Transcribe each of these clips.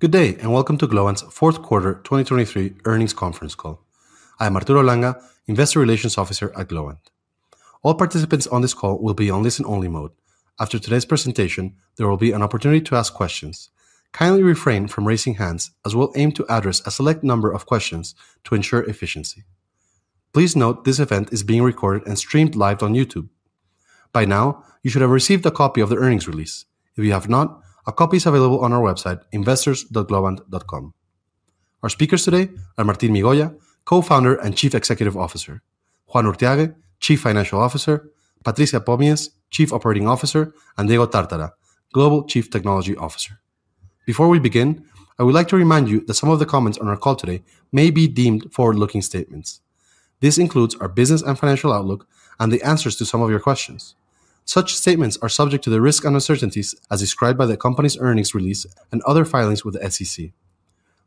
Good day, and welcome to Globant's fourth quarter 2023 earnings conference call. I am Arturo Langa, Investor Relations Officer at Globant. All participants on this call will be on listen-only mode. After today's presentation, there will be an opportunity to ask questions. Kindly refrain from raising hands, as we'll aim to address a select number of questions to ensure efficiency. Please note, this event is being recorded and streamed live on YouTube. By now, you should have received a copy of the earnings release. If you have not, a copy is available on our website, investors.globant.com. Our speakers today are Martín Migoya, Co-founder and Chief Executive Officer, Juan Urthiague, Chief Financial Officer, Patricia Pomies, Chief Operating Officer, and Diego Tartara, Global Chief Technology Officer. Before we begin, I would like to remind you that some of the comments on our call today may be deemed forward-looking statements. This includes our business and financial outlook and the answers to some of your questions. Such statements are subject to the risks and uncertainties as described by the company's earnings release and other filings with the SEC.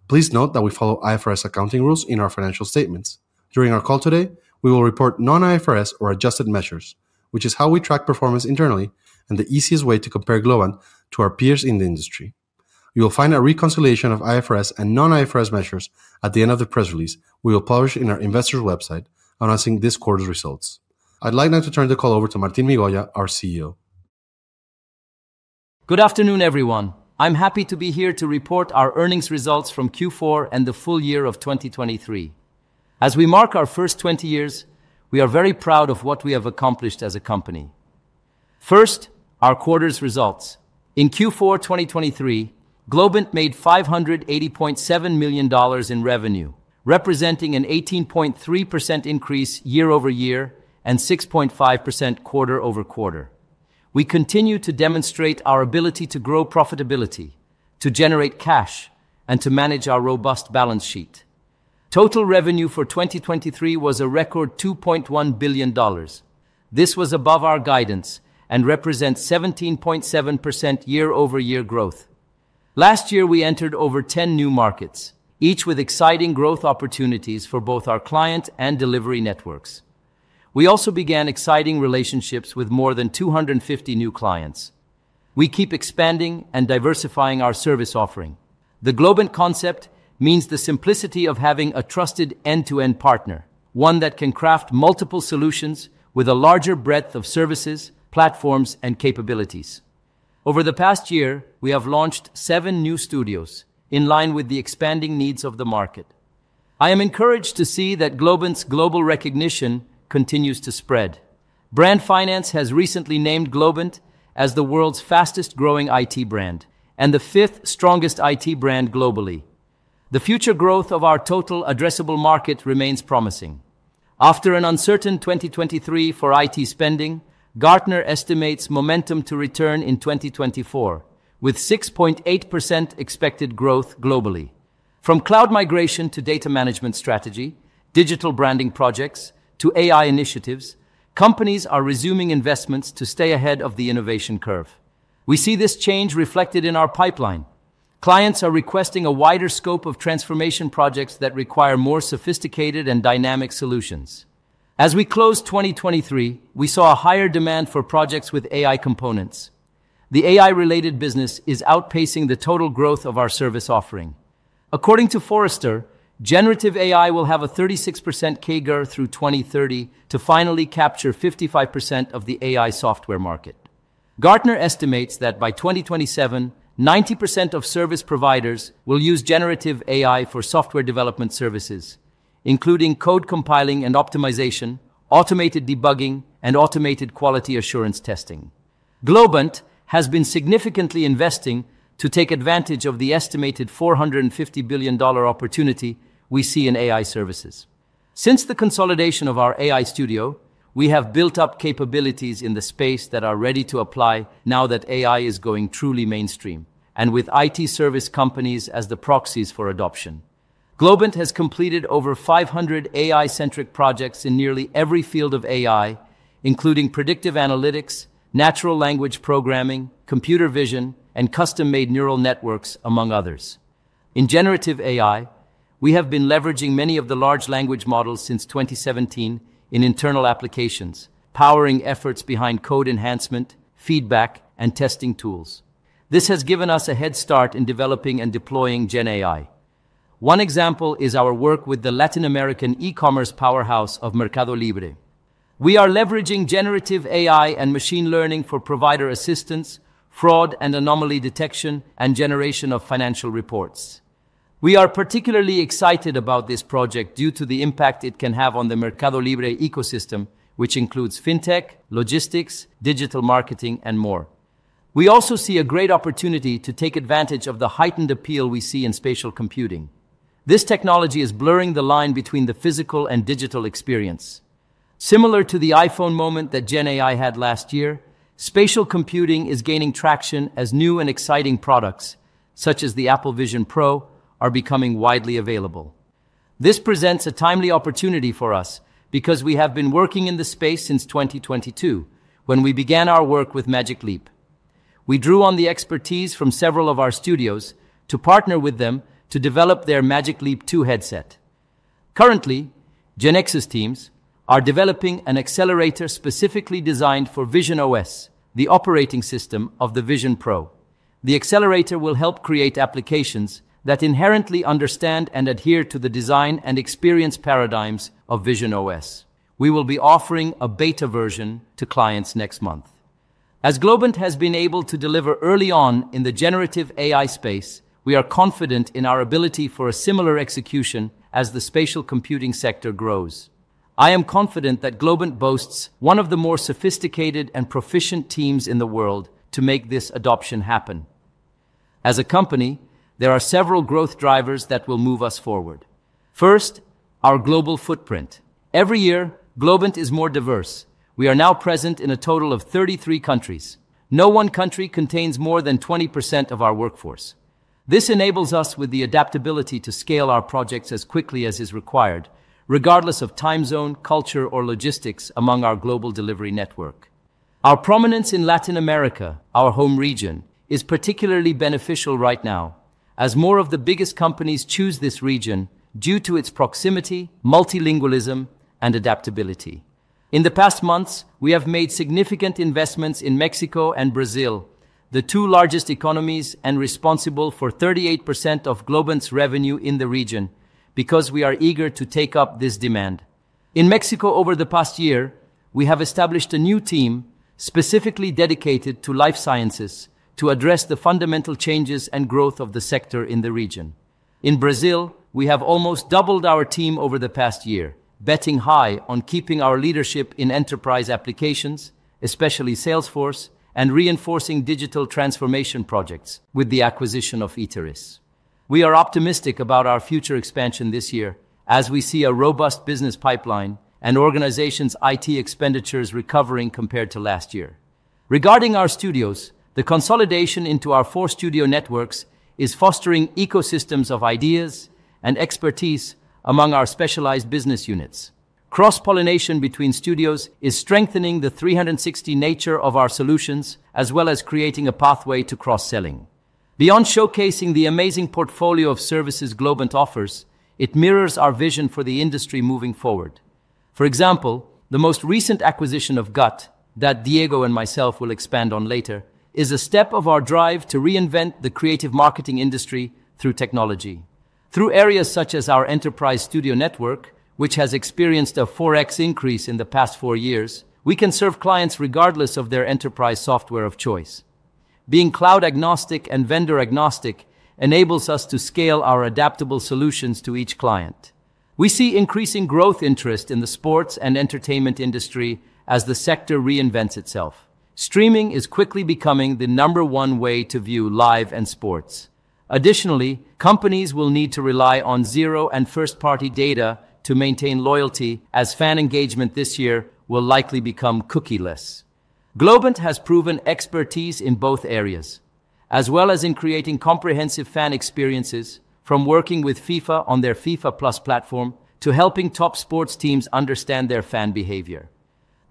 Please note that we follow IFRS accounting rules in our financial statements. During our call today, we will report non-IFRS or adjusted measures, which is how we track performance internally and the easiest way to compare Globant to our peers in the industry. You will find a reconciliation of IFRS and non-IFRS measures at the end of the press release we will publish in our investors' website announcing this quarter's results. I'd like now to turn the call over to Martín Migoya, our CEO. Good afternoon, everyone. I'm happy to be here to report our earnings results from Q4 and the full year of 2023. As we mark our first 20 years, we are very proud of what we have accomplished as a company. First, our quarter's results. In Q4 2023, Globant made $580.7 million in revenue, representing an 18.3% increase year-over-year and 6.5% quarter-over-quarter. We continue to demonstrate our ability to grow profitability, to generate cash, and to manage our robust balance sheet. Total revenue for 2023 was a record $2.1 billion. This was above our guidance and represents 17.7% year-over-year growth. Last year, we entered over 10 new markets, each with exciting growth opportunities for both our client and delivery networks. We also began exciting relationships with more than 250 new clients. We keep expanding and diversifying our service offering. The Globant concept means the simplicity of having a trusted end-to-end partner, one that can craft multiple solutions with a larger breadth of services, platforms, and capabilities. Over the past year, we have launched seven new studios in line with the expanding needs of the market. I am encouraged to see that Globant's global recognition continues to spread. Brand Finance has recently named Globant as the world's fastest-growing IT brand and the fifth strongest IT brand globally. The future growth of our total addressable market remains promising. After an uncertain 2023 for IT spending, Gartner estimates momentum to return in 2024, with 6.8% expected growth globally. From cloud migration to data management strategy, digital branding projects, to AI initiatives, companies are resuming investments to stay ahead of the innovation curve. We see this change reflected in our pipeline. Clients are requesting a wider scope of transformation projects that require more sophisticated and dynamic solutions. As we close 2023, we saw a higher demand for projects with AI components. The AI-related business is outpacing the total growth of our service offering. According to Forrester, generative AI will have a 36% CAGR through 2030 to finally capture 55% of the AI software market. Gartner estimates that by 2027, 90% of service providers will use generative AI for software development services, including code compiling and optimization, automated debugging, and automated quality assurance testing. Globant has been significantly investing to take advantage of the estimated $450 billion opportunity we see in AI services. Since the consolidation of our AI studio, we have built up capabilities in the space that are ready to apply now that AI is going truly mainstream, and with IT service companies as the proxies for adoption. Globant has completed over 500 AI-centric projects in nearly every field of AI, including predictive analytics, natural language programming, computer vision, and custom-made neural networks, among others. In generative AI, we have been leveraging many of the large language models since 2017 in internal applications, powering efforts behind code enhancement, feedback, and testing tools. This has given us a head start in developing and deploying Gen AI. One example is our work with the Latin American e-commerce powerhouse of Mercado Libre. We are leveraging generative AI and machine learning for provider assistance, fraud and anomaly detection, and generation of financial reports. We are particularly excited about this project due to the impact it can have on the Mercado Libre ecosystem, which includes fintech, logistics, digital marketing, and more. We also see a great opportunity to take advantage of the heightened appeal we see in spatial computing. This technology is blurring the line between the physical and digital experience. Similar to the iPhone moment that Gen AI had last year, spatial computing is gaining traction as new and exciting products, such as the Apple Vision Pro, are becoming widely available. This presents a timely opportunity for us because we have been working in this space since 2022, when we began our work with Magic Leap. We drew on the expertise from several of our studios to partner with them to develop their Magic Leap 2 headset. Currently, GeneXus teams are developing an accelerator specifically designed for visionOS, the operating system of the Vision Pro. The accelerator will help create applications that inherently understand and adhere to the design and experience paradigms of visionOS. We will be offering a beta version to clients next month. As Globant has been able to deliver early on in the generative AI space, we are confident in our ability for a similar execution as the spatial computing sector grows. I am confident that Globant boasts one of the more sophisticated and proficient teams in the world to make this adoption happen. As a company, there are several growth drivers that will move us forward. First, our global footprint. Every year, Globant is more diverse. We are now present in a total of 33 countries. No one country contains more than 20% of our workforce. This enables us with the adaptability to scale our projects as quickly as is required, regardless of time zone, culture, or logistics among our global delivery network. Our prominence in Latin America, our home region, is particularly beneficial right now as more of the biggest companies choose this region due to its proximity, multilingualism, and adaptability. In the past months, we have made significant investments in Mexico and Brazil, the two largest economies, and responsible for 38% of Globant's revenue in the region, because we are eager to take up this demand. In Mexico, over the past year, we have established a new team specifically dedicated to life sciences to address the fundamental changes and growth of the sector in the region. In Brazil, we have almost doubled our team over the past year, betting high on keeping our leadership in enterprise applications, especially Salesforce, and reinforcing digital transformation projects with the acquisition of Iteris. We are optimistic about our future expansion this year as we see a robust business pipeline and organizations' IT expenditures recovering compared to last year. Regarding our studios, the consolidation into our four-studio networks is fostering ecosystems of ideas and expertise among our specialized business units. Cross-pollination between studios is strengthening the 360 nature of our solutions, as well as creating a pathway to cross-selling. Beyond showcasing the amazing portfolio of services Globant offers, it mirrors our vision for the industry moving forward. For example, the most recent acquisition of GUT, that Diego and myself will expand on later, is a step of our drive to reinvent the creative marketing industry through technology. Through areas such as our Snterprise Studio Network, which has experienced a 4x increase in the past 4 years, we can serve clients regardless of their enterprise software of choice. Being cloud-agnostic and vendor-agnostic enables us to scale our adaptable solutions to each client. We see increasing growth interest in the sports and entertainment industry as the sector reinvents itself. Streaming is quickly becoming the number one way to view live and sports. Additionally, companies will need to rely on zero-party and first-party data to maintain loyalty, as fan engagement this year will likely become cookie-less. Globant has proven expertise in both areas, as well as in creating comprehensive fan experiences from working with FIFA on their FIFA Plus platform to helping top sports teams understand their fan behavior.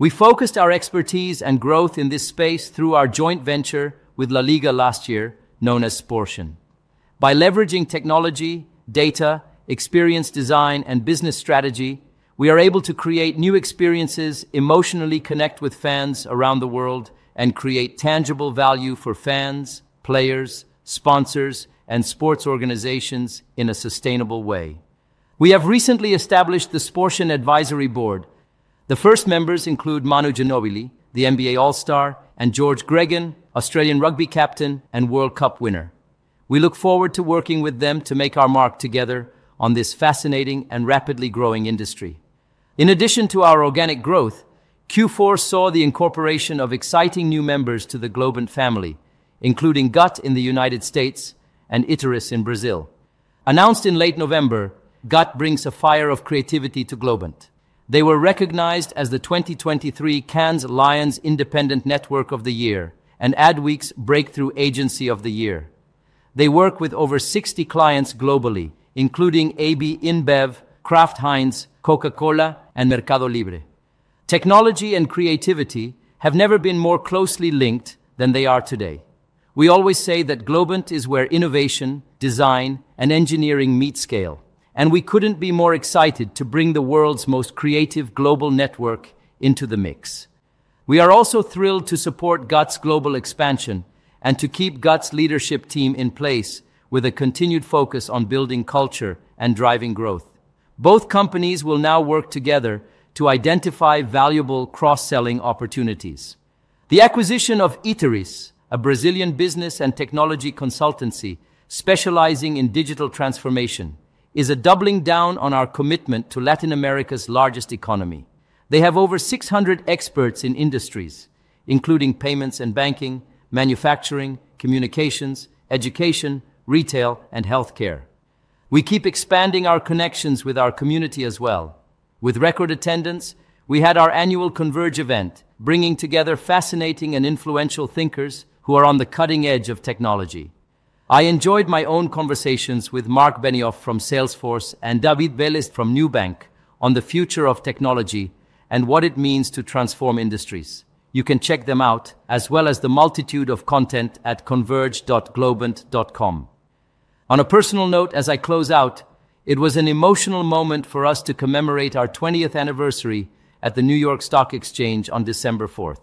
We focused our expertise and growth in this space through our joint venture with LaLiga last year, known as Sportian. By leveraging technology, data, experience design, and business strategy, we are able to create new experiences, emotionally connect with fans around the world, and create tangible value for fans, players, sponsors, and sports organizations in a sustainable way. We have recently established the Sportian Advisory Board. The first members include Manu Ginóbili, the NBA All-Star, and George Gregan, Australian rugby captain and World Cup winner. We look forward to working with them to make our mark together on this fascinating and rapidly growing industry. In addition to our organic growth, Q4 saw the incorporation of exciting new members to the Globant family, including GUT in the United States and Iteris in Brazil. Announced in late November, GUT brings a fire of creativity to Globant. They were recognized as the 2023 Cannes Lions Independent Network of the Year and Adweek's Breakthrough Agency of the Year. They work with over 60 clients globally, including AB InBev, Kraft Heinz, Coca-Cola, and Mercado Libre. Technology and creativity have never been more closely linked than they are today. We always say that Globant is where innovation, design, and engineering meet scale, and we couldn't be more excited to bring the world's most creative global network into the mix. We are also thrilled to support GUT's global expansion and to keep GUT's leadership team in place with a continued focus on building culture and driving growth. Both companies will now work together to identify valuable cross-selling opportunities. The acquisition of Iteris, a Brazilian business and technology consultancy specializing in digital transformation, is a doubling down on our commitment to Latin America's largest economy. They have over 600 experts in industries including payments and banking, manufacturing, communications, education, retail, and healthcare. We keep expanding our connections with our community as well. With record attendance, we had our annual Converge event, bringing together fascinating and influential thinkers who are on the cutting edge of technology. I enjoyed my own conversations with Marc Benioff from Salesforce and David Vélez from Nubank, on the future of technology and what it means to transform industries. You can check them out, as well as the multitude of content at converge.globant.com. On a personal note, as I close out, it was an emotional moment for us to commemorate our 20th anniversary at the New York Stock Exchange on December 4th.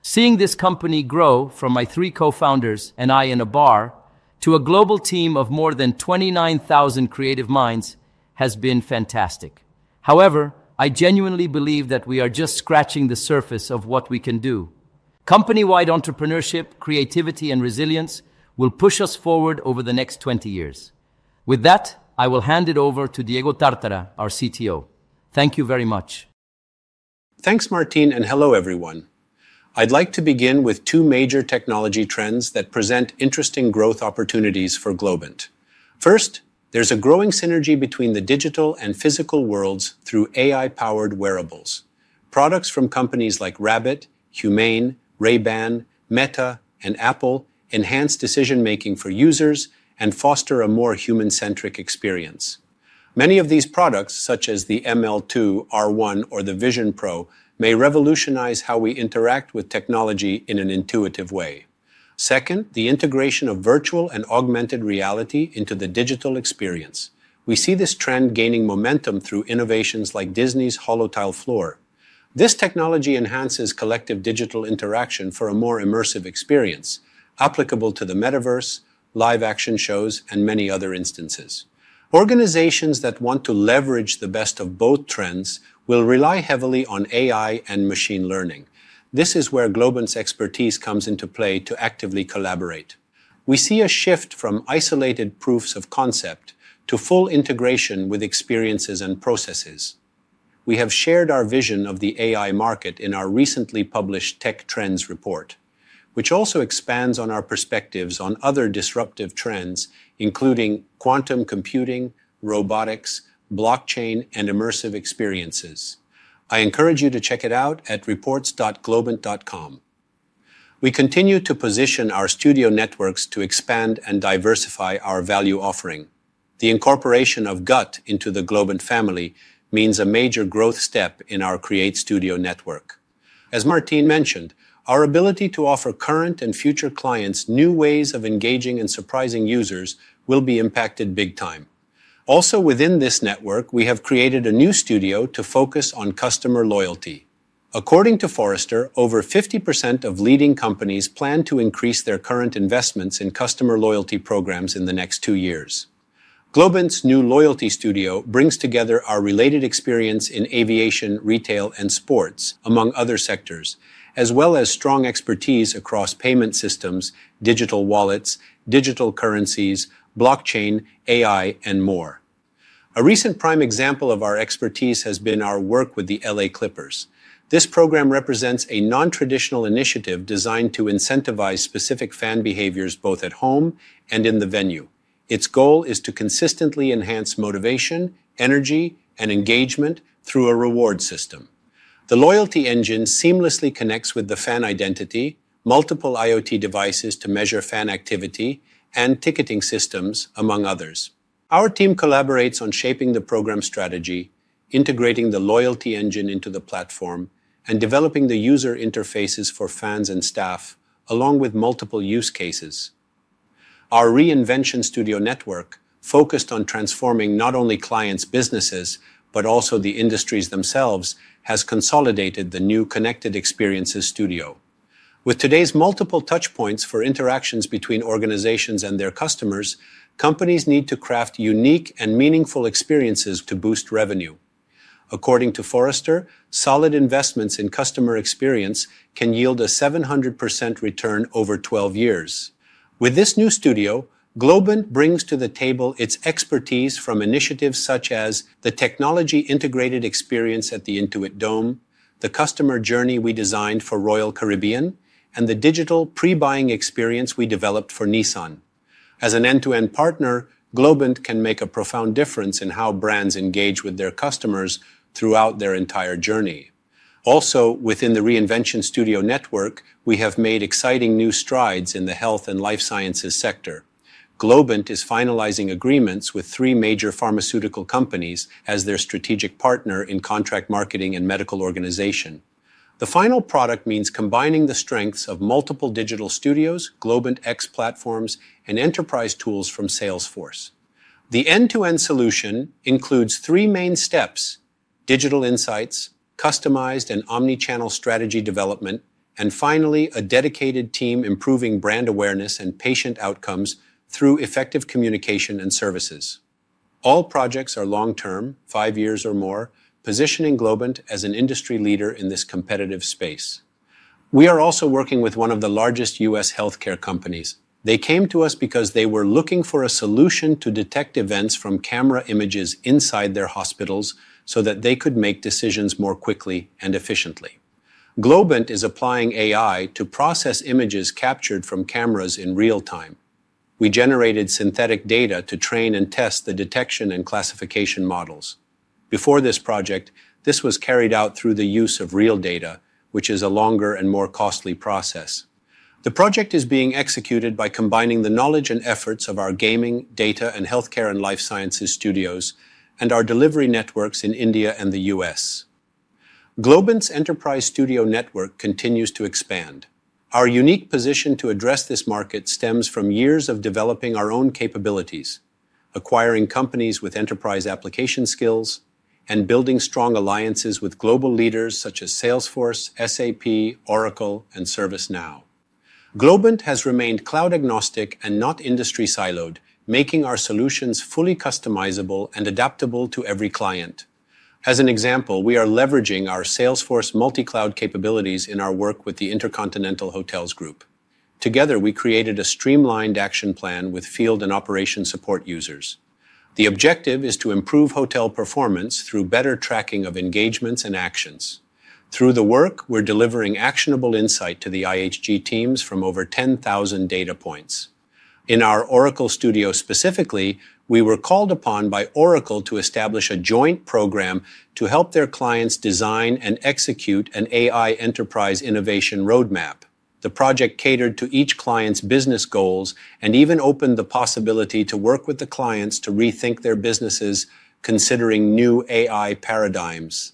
Seeing this company grow from my three cofounders and I in a bar, to a global team of more than 29,000 creative minds has been fantastic. However, I genuinely believe that we are just scratching the surface of what we can do. Company-wide entrepreneurship, creativity, and resilience will push us forward over the next 20 years. With that, I will hand it over to Diego Tartara, our CTO. Thank you very much. Thanks, Martín, and hello, everyone. I'd like to begin with two major technology trends that present interesting growth opportunities for Globant. First, there's a growing synergy between the digital and physical worlds through AI-powered wearables. Products from companies like Rabbit, Humane, Ray-Ban, Meta, and Apple enhance decision-making for users and foster a more human-centric experience. Many of these products, such as the ML2, R1, or the Vision Pro, may revolutionize how we interact with technology in an intuitive way. Second, the integration of virtual and augmented reality into the digital experience. We see this trend gaining momentum through innovations like Disney's HoloTile floor. This technology enhances collective digital interaction for a more immersive experience, applicable to the metaverse, live-action shows, and many other instances. Organizations that want to leverage the best of both trends will rely heavily on AI and machine learning. This is where Globant's expertise comes into play to actively collaborate. We see a shift from isolated proofs of concept to full integration with experiences and processes. We have shared our vision of the AI market in our recently published Tech Trends report, which also expands on our perspectives on other disruptive trends, including quantum computing, robotics, blockchain, and immersive experiences. I encourage you to check it out at reports.globant.com. We continue to position our studio networks to expand and diversify our value offering. The incorporation of GUT into the Globant family means a major growth step in our Create Studio network. As Martín mentioned, our ability to offer current and future clients new ways of engaging and surprising users will be impacted big time. Also, within this network, we have created a new studio to focus on customer loyalty. According to Forrester, over 50% of leading companies plan to increase their current investments in customer loyalty programs in the next 2 years. Globant's new loyalty studio brings together our related experience in aviation, retail, and sports, among other sectors, as well as strong expertise across payment systems, digital wallets, digital currencies, blockchain, AI, and more. A recent prime example of our expertise has been our work with the LA Clippers. This program represents a non-traditional initiative designed to incentivize specific fan behaviors, both at home and in the venue. Its goal is to consistently enhance motivation, energy, and engagement through a reward system. The loyalty engine seamlessly connects with the fan identity, multiple IoT devices to measure fan activity, and ticketing systems, among others. Our team collaborates on shaping the program strategy, integrating the loyalty engine into the platform, and developing the user interfaces for fans and staff, along with multiple use cases. Our Reinvention Studios Network, focused on transforming not only clients' businesses, but also the industries themselves, has consolidated the new Connected Experiences Studio. With today's multiple touchpoints for interactions between organizations and their customers, companies need to craft unique and meaningful experiences to boost revenue. According to Forrester, solid investments in customer experience can yield a 700% return over 12 years. With this new studio, Globant brings to the table its expertise from initiatives such as the technology-integrated experience at the Intuit Dome, the customer journey we designed for Royal Caribbean, and the digital pre-buying experience we developed for Nissan. As an end-to-end partner, Globant can make a profound difference in how brands engage with their customers throughout their entire journey. Also, within the Reinvention Studio network, we have made exciting new strides in the health and life sciences sector. Globant is finalizing agreements with three major pharmaceutical companies as their strategic partner in contract marketing and medical organization. The final product means combining the strengths of multiple digital studios, Globant X platforms, and enterprise tools from Salesforce. The end-to-end solution includes three main steps: digital insights, customized and omni-channel strategy development, and finally, a dedicated team improving brand awareness and patient outcomes through effective communication and services. All projects are long-term, five years or more, positioning Globant as an industry leader in this competitive space. We are also working with one of the largest U.S. healthcare companies. They came to us because they were looking for a solution to detect events from camera images inside their hospitals so that they could make decisions more quickly and efficiently. Globant is applying AI to process images captured from cameras in real time. We generated synthetic data to train and test the detection and classification models. Before this project, this was carried out through the use of real data, which is a longer and more costly process. The project is being executed by combining the knowledge and efforts of our gaming, data, healthcare, and life sciences studios, and our delivery networks in India and the U.S. Globant's Enterprise Studio network continues to expand. Our unique position to address this market stems from years of developing our own capabilities, acquiring companies with enterprise application skills, and building strong alliances with global leaders such as Salesforce, SAP, Oracle, and ServiceNow. Globant has remained cloud-agnostic and not industry-siloed, making our solutions fully customizable and adaptable to every client. As an example, we are leveraging our Salesforce multi-cloud capabilities in our work with the InterContinental Hotels Group. Together, we created a streamlined action plan with field and operation support users. The objective is to improve hotel performance through better tracking of engagements and actions. Through the work, we're delivering actionable insight to the IHG teams from over 10,000 data points. In our Oracle Studio specifically, we were called upon by Oracle to establish a joint program to help their clients design and execute an AI enterprise innovation roadmap. The project catered to each client's business goals and even opened the possibility to work with the clients to rethink their businesses, considering new AI paradigms.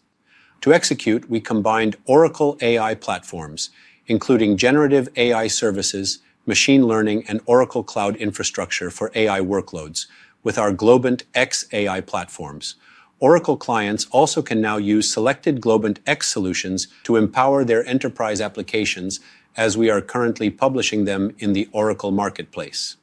To execute, we combined Oracle AI platforms, including generative AI services, machine learning, and Oracle Cloud Infrastructure for AI workloads with our Globant X AI platforms. Oracle clients also can now use selected Globant X solutions to empower their enterprise applications, as we are currently publishing them in the Oracle marketplace.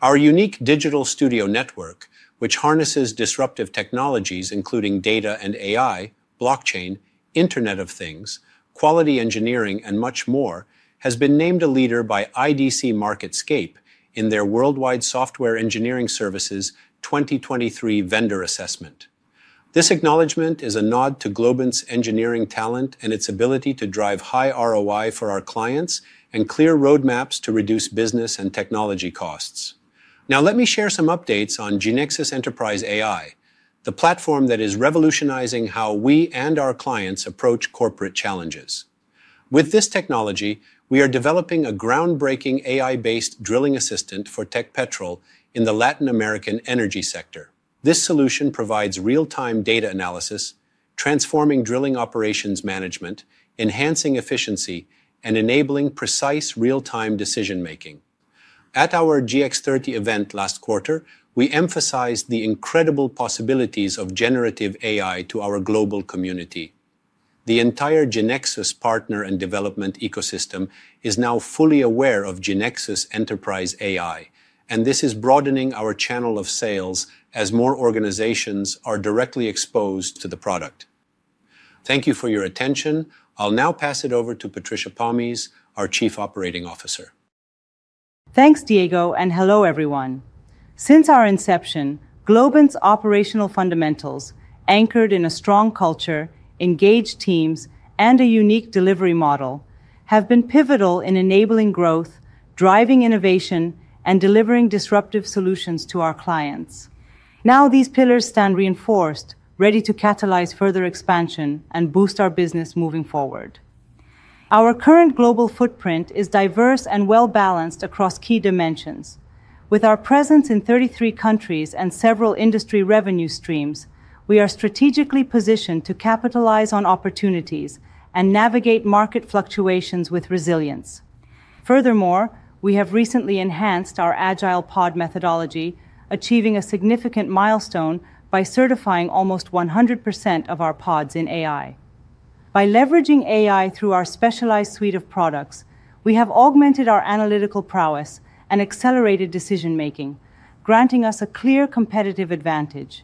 Our unique Digital Studio Network, which harnesses disruptive technologies, including data and AI, blockchain, internet of things, quality engineering, and much more, has been named a leader by IDC MarketScape in their Worldwide Software Engineering Services 2023 Vendor Assessment. This acknowledgment is a nod to Globant's engineering talent and its ability to drive high ROI for our clients and clear roadmaps to reduce business and technology costs. Now, let me share some updates on GeneXus Enterprise AI, the platform that is revolutionizing how we and our clients approach corporate challenges. With this technology, we are developing a groundbreaking AI-based drilling assistant for Techpetrol in the Latin American energy sector. This solution provides real-time data analysis, transforming drilling operations management, enhancing efficiency, and enabling precise real-time decision-making. At our GX30 event last quarter, we emphasized the incredible possibilities of generative AI to our global community. The entire GeneXus partner and development ecosystem is now fully aware of GeneXus Enterprise AI, and this is broadening our channel of sales as more organizations are directly exposed to the product. Thank you for your attention. I'll now pass it over to Patricia Pomies, our Chief Operating Officer. Thanks, Diego, and hello, everyone. Since our inception, Globant's operational fundamentals, anchored in a strong culture, engaged teams, and a unique delivery model, have been pivotal in enabling growth, driving innovation, and delivering disruptive solutions to our clients. Now, these pillars stand reinforced, ready to catalyze further expansion and boost our business moving forward. Our current global footprint is diverse and well-balanced across key dimensions. With our presence in 33 countries and several industry revenue streams, we are strategically positioned to capitalize on opportunities and navigate market fluctuations with resilience. Furthermore, we have recently enhanced our agile pod methodology, achieving a significant milestone by certifying almost 100% of our pods in AI. By leveraging AI through our specialized suite of products, we have augmented our analytical prowess and accelerated decision-making, granting us a clear competitive advantage.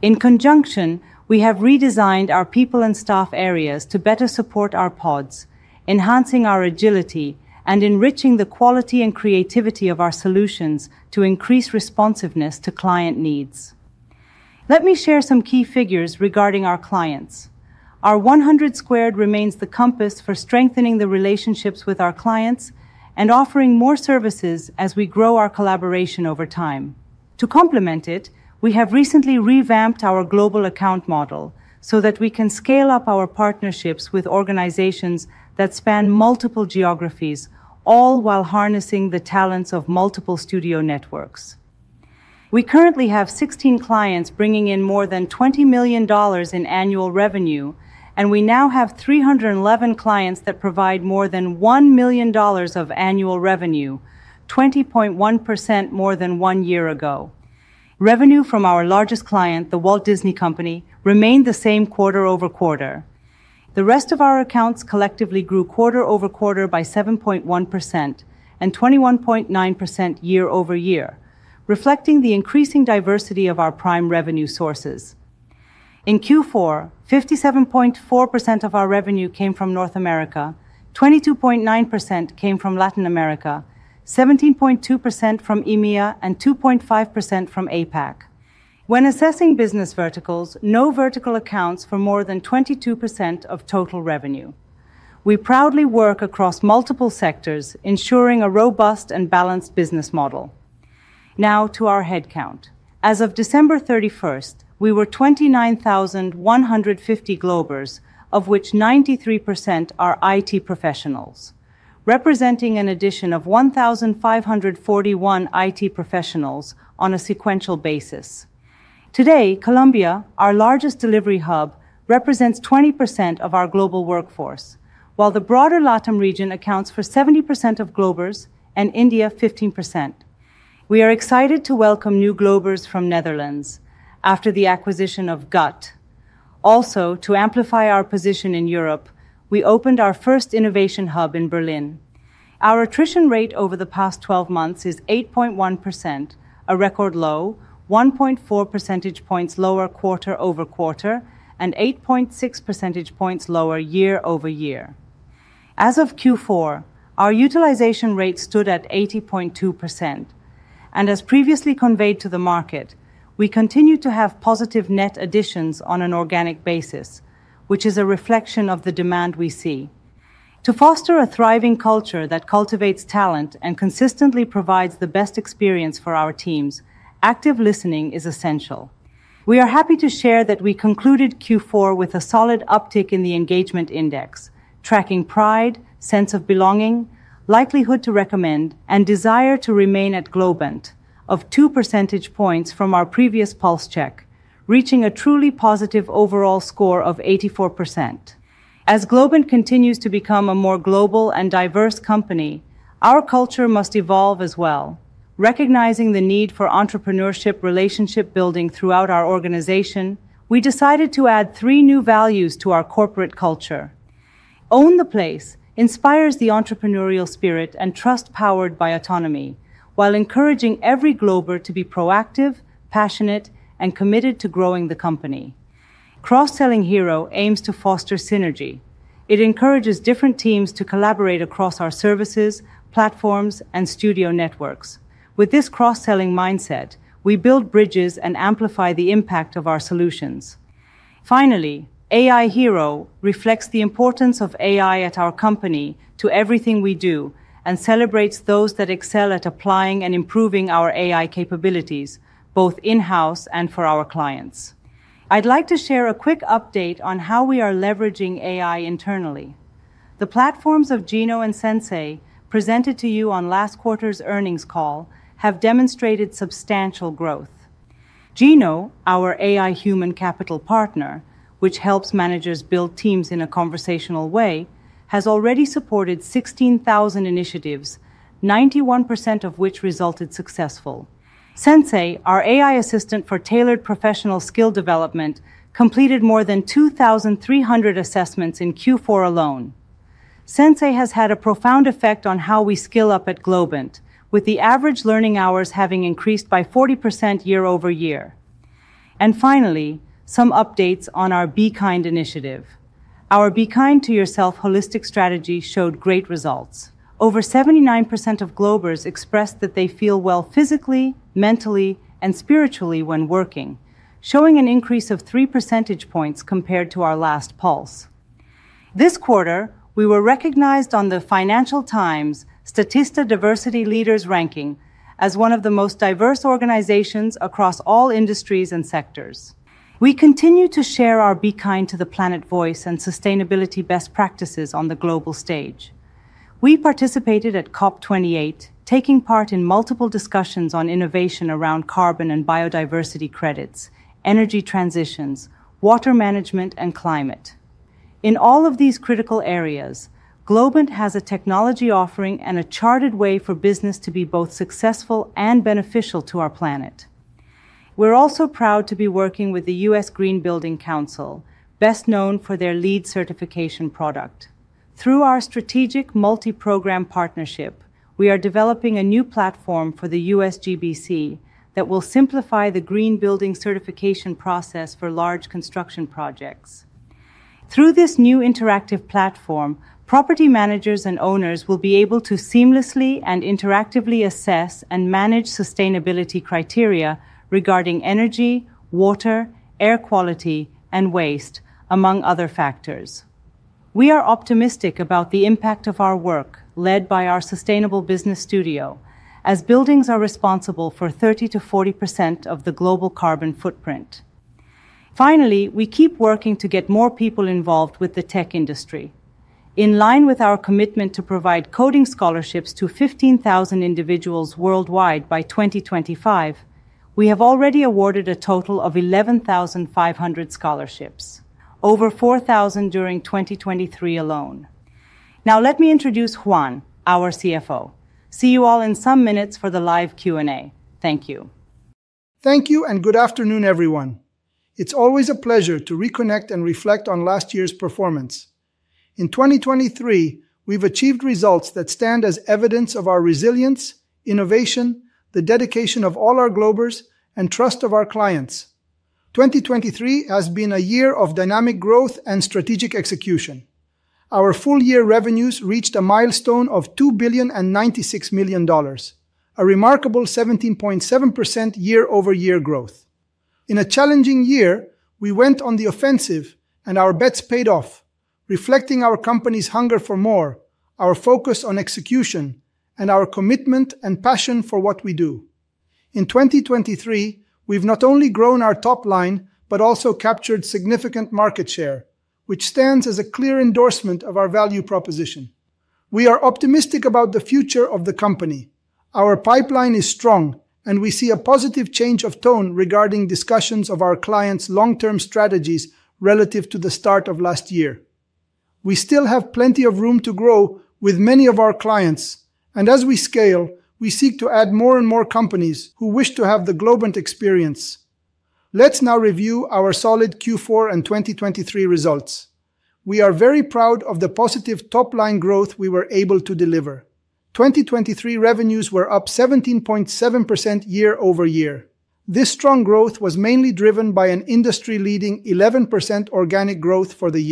In conjunction, we have redesigned our people and staff areas to better support our pods, enhancing our agility and enriching the quality and creativity of our solutions to increase responsiveness to client needs. Let me share some key figures regarding our clients. Our 100 Squared remains the compass for strengthening the relationships with our clients and offering more services as we grow our collaboration over time. To complement it, we have recently revamped our global account model so that we can scale up our partnerships with organizations that span multiple geographies, all while harnessing the talents of multiple studio networks. We currently have 16 clients bringing in more than $20 million in annual revenue, and we now have 311 clients that provide more than $1 million of annual revenue, 20.1% more than one year ago. Revenue from our largest client, The Walt Disney Company, remained the same quarter-over-quarter. The rest of our accounts collectively grew quarter-over-quarter by 7.1% and 21.9% year-over-year, reflecting the increasing diversity of our prime revenue sources. In Q4, 57.4% of our revenue came from North America, 22.9% came from Latin America, 17.2% from EMEA, and 2.5% from APAC. When assessing business verticals, no vertical accounts for more than 22% of total revenue. We proudly work across multiple sectors, ensuring a robust and balanced business model. Now to our headcount. As of December 31st, we were 29,150 Globers, of which 93% are IT professionals, representing an addition of 1,541 IT professionals on a sequential basis. Today, Colombia, our largest delivery hub, represents 20% of our global workforce, while the broader LATAM region accounts for 70% of Globers and India 15%. We are excited to welcome new Globers from Netherlands after the acquisition of GUT. Also, to amplify our position in Europe, we opened our first innovation hub in Berlin. Our attrition rate over the past 12 months is 8.1%, a record low, 1.4 percentage points lower quarter-over-quarter, and 8.6 percentage points lower year-over-year. As of Q4, our utilization rate stood at 80.2%, and as previously conveyed to the market, we continue to have positive net additions on an organic basis, which is a reflection of the demand we see. To foster a thriving culture that cultivates talent and consistently provides the best experience for our teams, active listening is essential. We are happy to share that we concluded Q4 with a solid uptick in the engagement index, tracking pride, sense of belonging, likelihood to recommend, and desire to remain at Globant of two percentage points from our previous pulse check, reaching a truly positive overall score of 84%. As Globant continues to become a more global and diverse company, our culture must evolve as well. Recognizing the need for entrepreneurship relationship building throughout our organization, we decided to add three new values to our corporate culture. Own the Place inspires the entrepreneurial spirit and trust powered by autonomy, while encouraging every Glober to be proactive, passionate, and committed to growing the company. Cross-Selling Hero aims to foster synergy. It encourages different teams to collaborate across our services, platforms, and studio networks. With this cross-selling mindset, we build bridges and amplify the impact of our solutions. Finally, AI Hero reflects the importance of AI at our company to everything we do and celebrates those that excel at applying and improving our AI capabilities, both in-house and for our clients. I'd like to share a quick update on how we are leveraging AI internally. The platforms of Jino and Sensei, presented to you on last quarter's earnings call, have demonstrated substantial growth. Jino, our AI human capital partner, which helps managers build teams in a conversational way, has already supported 16,000 initiatives, 91% of which resulted successful. Sensei, our AI assistant for tailored professional skill development, completed more than 2,300 assessments in Q4 alone. Sensei has had a profound effect on how we skill up at Globant, with the average learning hours having increased by 40% year-over-year. Finally, some updates on our Be Kind Initiative. Our Be Kind to Yourself holistic strategy showed great results. Over 79% of Globers expressed that they feel well physically, mentally, and spiritually when working, showing an increase of 3 percentage points compared to our last pulse. This quarter, we were recognized on the Financial Times Statista Diversity Leaders Ranking as one of the most diverse organizations across all industries and sectors. We continue to share our Be Kind to the Planet voice and sustainability best practices on the global stage. We participated at COP28, taking part in multiple discussions on innovation around carbon and biodiversity credits, energy transitions, water management, and climate. In all of these critical areas, Globant has a technology offering and a charted way for business to be both successful and beneficial to our planet. We're also proud to be working with the U.S. Green Building Council, best known for their LEED certification product. Through our strategic multi-program partnership, we are developing a new platform for the USGBC that will simplify the green building certification process for large construction projects. Through this new interactive platform, property managers and owners will be able to seamlessly and interactively assess and manage sustainability criteria regarding energy, water, air quality, and waste, among other factors. We are optimistic about the impact of our work, led by our sustainable business studio, as buildings are responsible for 30%-40% of the global carbon footprint. Finally, we keep working to get more people involved with the tech industry. In line with our commitment to provide coding scholarships to 15,000 individuals worldwide by 2025, we have already awarded a total of 11,500 scholarships, over 4,000 during 2023 alone. Now, let me introduce Juan, our CFO. See you all in some minutes for the live Q&A. Thank you. Thank you, and good afternoon, everyone. It's always a pleasure to reconnect and reflect on last year's performance. In 2023, we've achieved results that stand as evidence of our resilience, innovation, the dedication of all our Globers, and trust of our clients. 2023 has been a year of dynamic growth and strategic execution. Our full year revenues reached a milestone of $2 billion and $96 million, a remarkable 17.7% year-over-year growth. In a challenging year, we went on the offensive, and our bets paid off, reflecting our company's hunger for more, our focus on execution, and our commitment and passion for what we do. In 2023, we've not only grown our top line, but also captured significant market share, which stands as a clear endorsement of our value proposition. We are optimistic about the future of the company. Our pipeline is strong, and we see a positive change of tone regarding discussions of our clients' long-term strategies relative to the start of last year. We still have plenty of room to grow with many of our clients, and as we scale, we seek to add more and more companies who wish to have the Globant experience. Let's now review our solid Q4 and 2023 results. We are very proud of the positive top-line growth we were able to deliver. 2023 revenues were up 17.7% year-over-year. This strong growth was mainly driven by an industry-leading 11% organic growth for the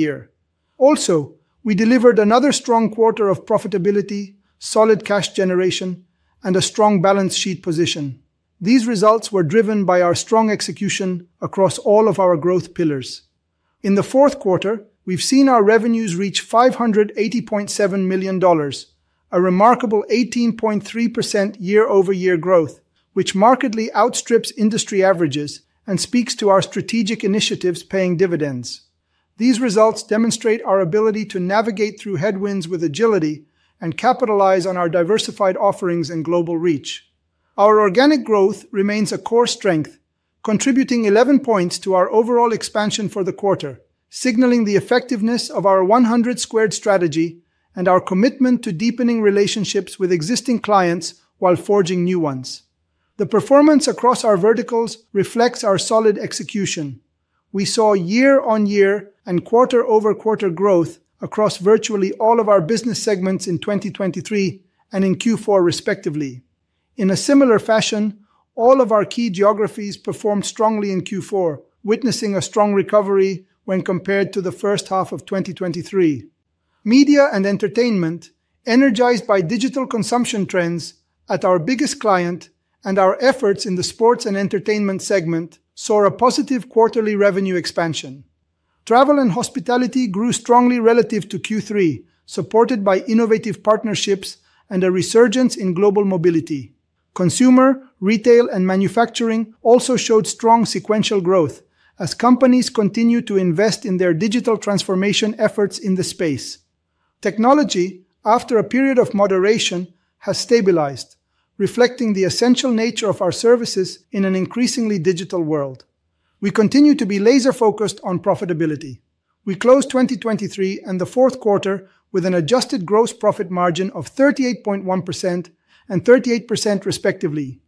year. Also, we delivered another strong quarter of profitability, solid cash generation, and a strong balance sheet position. These results were driven by our strong execution across all of our growth pillars. In the fourth quarter, we've seen our revenues reach $580.7 million, a remarkable 18.3% year-over-year growth, which markedly outstrips industry averages and speaks to our strategic initiatives paying dividends. These results demonstrate our ability to navigate through headwinds with agility and capitalize on our diversified offerings and global reach. Our organic growth remains a core strength, contributing 11 points to our overall expansion for the quarter, signaling the effectiveness of our 100 Squared strategy and our commitment to deepening relationships with existing clients while forging new ones. The performance across our verticals reflects our solid execution. We saw year-on-year and quarter-over-quarter growth across virtually all of our business segments in 2023 and in Q4, respectively. In a similar fashion, all of our key geographies performed strongly in Q4, witnessing a strong recovery when compared to the first half of 2023. Media and entertainment, energized by digital consumption trends at our biggest client and our efforts in the sports and entertainment segment, saw a positive quarterly revenue expansion. Travel and hospitality grew strongly relative to Q3, supported by innovative partnerships and a resurgence in global mobility. Consumer, retail, and manufacturing also showed strong sequential growth as companies continue to invest in their digital transformation efforts in the space. Technology, after a period of moderation, has stabilized, reflecting the essential nature of our services in an increasingly digital world. We continue to be laser-focused on profitability. We closed 2023 and the fourth quarter with an adjusted gross profit margin of 38.1% and 38%, respectively.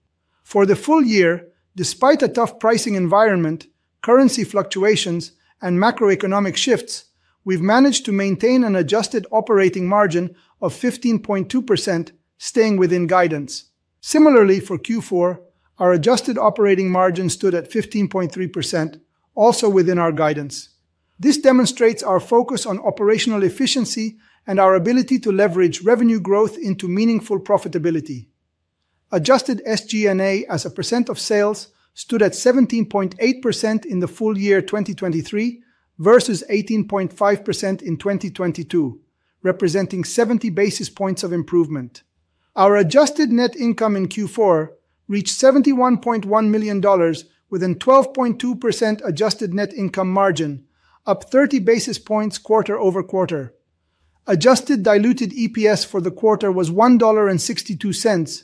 For the full year, despite a tough pricing environment, currency fluctuations, and macroeconomic shifts, we've managed to maintain an adjusted operating margin of 15.2%, staying within guidance. Similarly, for Q4, our adjusted operating margin stood at 15.3%, also within our guidance. This demonstrates our focus on operational efficiency and our ability to leverage revenue growth into meaningful profitability. Adjusted SG&A as a percent of sales stood at 17.8% in the full year 2023 versus 18.5% in 2022, representing 70 basis points of improvement. Our adjusted net income in Q4 reached $71.1 million with a 12.2% adjusted net income margin, up 30 basis points quarter-over-quarter. Adjusted diluted EPS for the quarter was $1.62,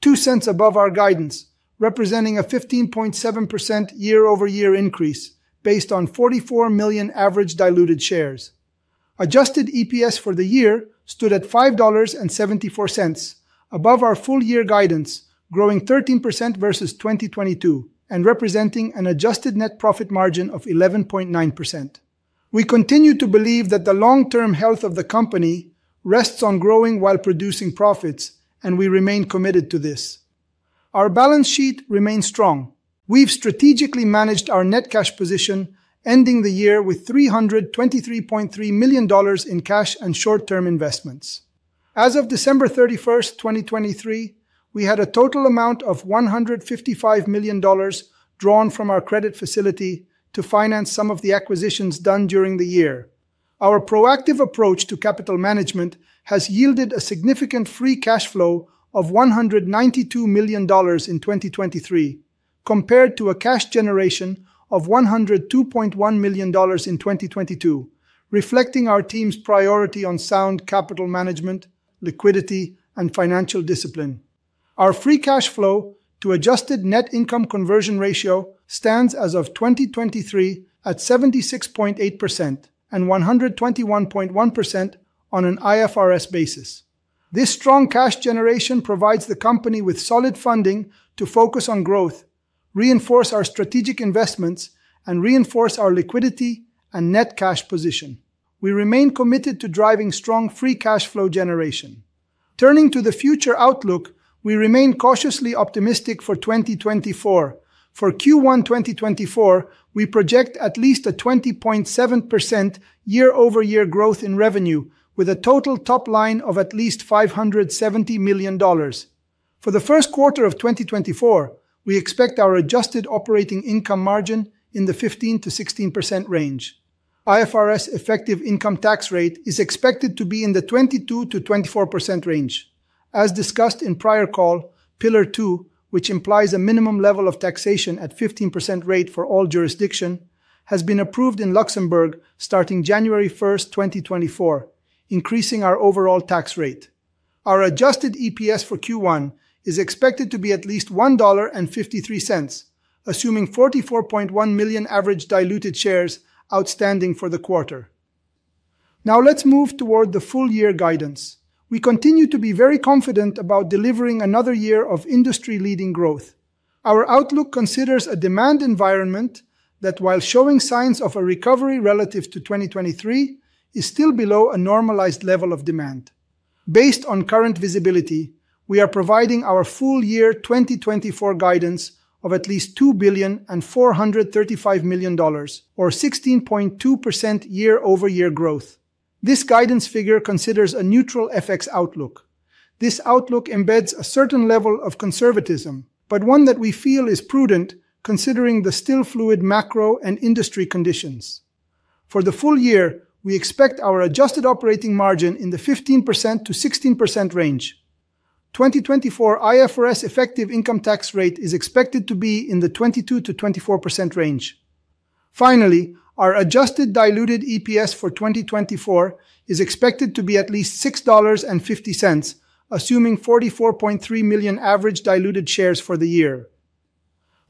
2 cents above our guidance, representing a 15.7% year-over-year increase based on 44 million average diluted shares. Adjusted EPS for the year stood at $5.74, above our full-year guidance, growing 13% versus 2022, and representing an adjusted net profit margin of 11.9%. We continue to believe that the long-term health of the company rests on growing while producing profits, and we remain committed to this. Our balance sheet remains strong. We've strategically managed our net cash position, ending the year with $323.3 million in cash and short-term investments. As of December 31st, 2023, we had a total amount of $155 million drawn from our credit facility to finance some of the acquisitions done during the year. Our proactive approach to capital management has yielded a significant free cash flow of $192 million in 2023, compared to a cash generation of $102.1 million in 2022, reflecting our team's priority on sound capital management, liquidity, and financial discipline. Our free cash flow to adjusted net income conversion ratio stands as of 2023 at 76.8% and 121.1% on an IFRS basis. This strong cash generation provides the company with solid funding to focus on growth, reinforce our strategic investments, and reinforce our liquidity and net cash position. We remain committed to driving strong free cash flow generation. Turning to the future outlook, we remain cautiously optimistic for 2024. For Q1 2024, we project at least a 20.7% year-over-year growth in revenue, with a total top line of at least $570 million. For the first quarter of 2024, we expect our adjusted operating income margin in the 15%-16% range. IFRS effective income tax rate is expected to be in the 22%-24% range. As discussed in prior call, Pillar Two, which implies a minimum level of taxation at 15% rate for all jurisdiction, has been approved in Luxembourg starting January 1, 2024, increasing our overall tax rate. Our adjusted EPS for Q1 is expected to be at least $1.53, assuming 44.1 million average diluted shares outstanding for the quarter. Now, let's move toward the full year guidance. We continue to be very confident about delivering another year of industry-leading growth. Our outlook considers a demand environment that, while showing signs of a recovery relative to 2023, is still below a normalized level of demand. Based on current visibility, we are providing our full year 2024 guidance of at least $2 billion and $435 million, or 16.2% year-over-year growth. This guidance figure considers a neutral FX outlook. This outlook embeds a certain level of conservatism, but one that we feel is prudent, considering the still fluid macro and industry conditions. For the full year, we expect our adjusted operating margin in the 15%-16% range. 2024 IFRS effective income tax rate is expected to be in the 22%-24% range. Finally, our adjusted diluted EPS for 2024 is expected to be at least $6.50, assuming 44.3 million average diluted shares for the year.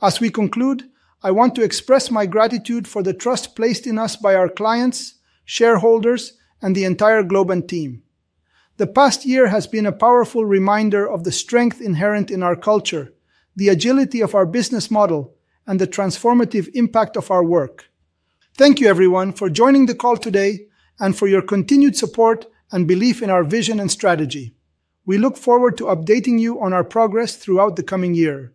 As we conclude, I want to express my gratitude for the trust placed in us by our clients, shareholders, and the entire Globant team. The past year has been a powerful reminder of the strength inherent in our culture, the agility of our business model, and the transformative impact of our work. Thank you everyone for joining the call today, and for your continued support and belief in our vision and strategy. We look forward to updating you on our progress throughout the coming year.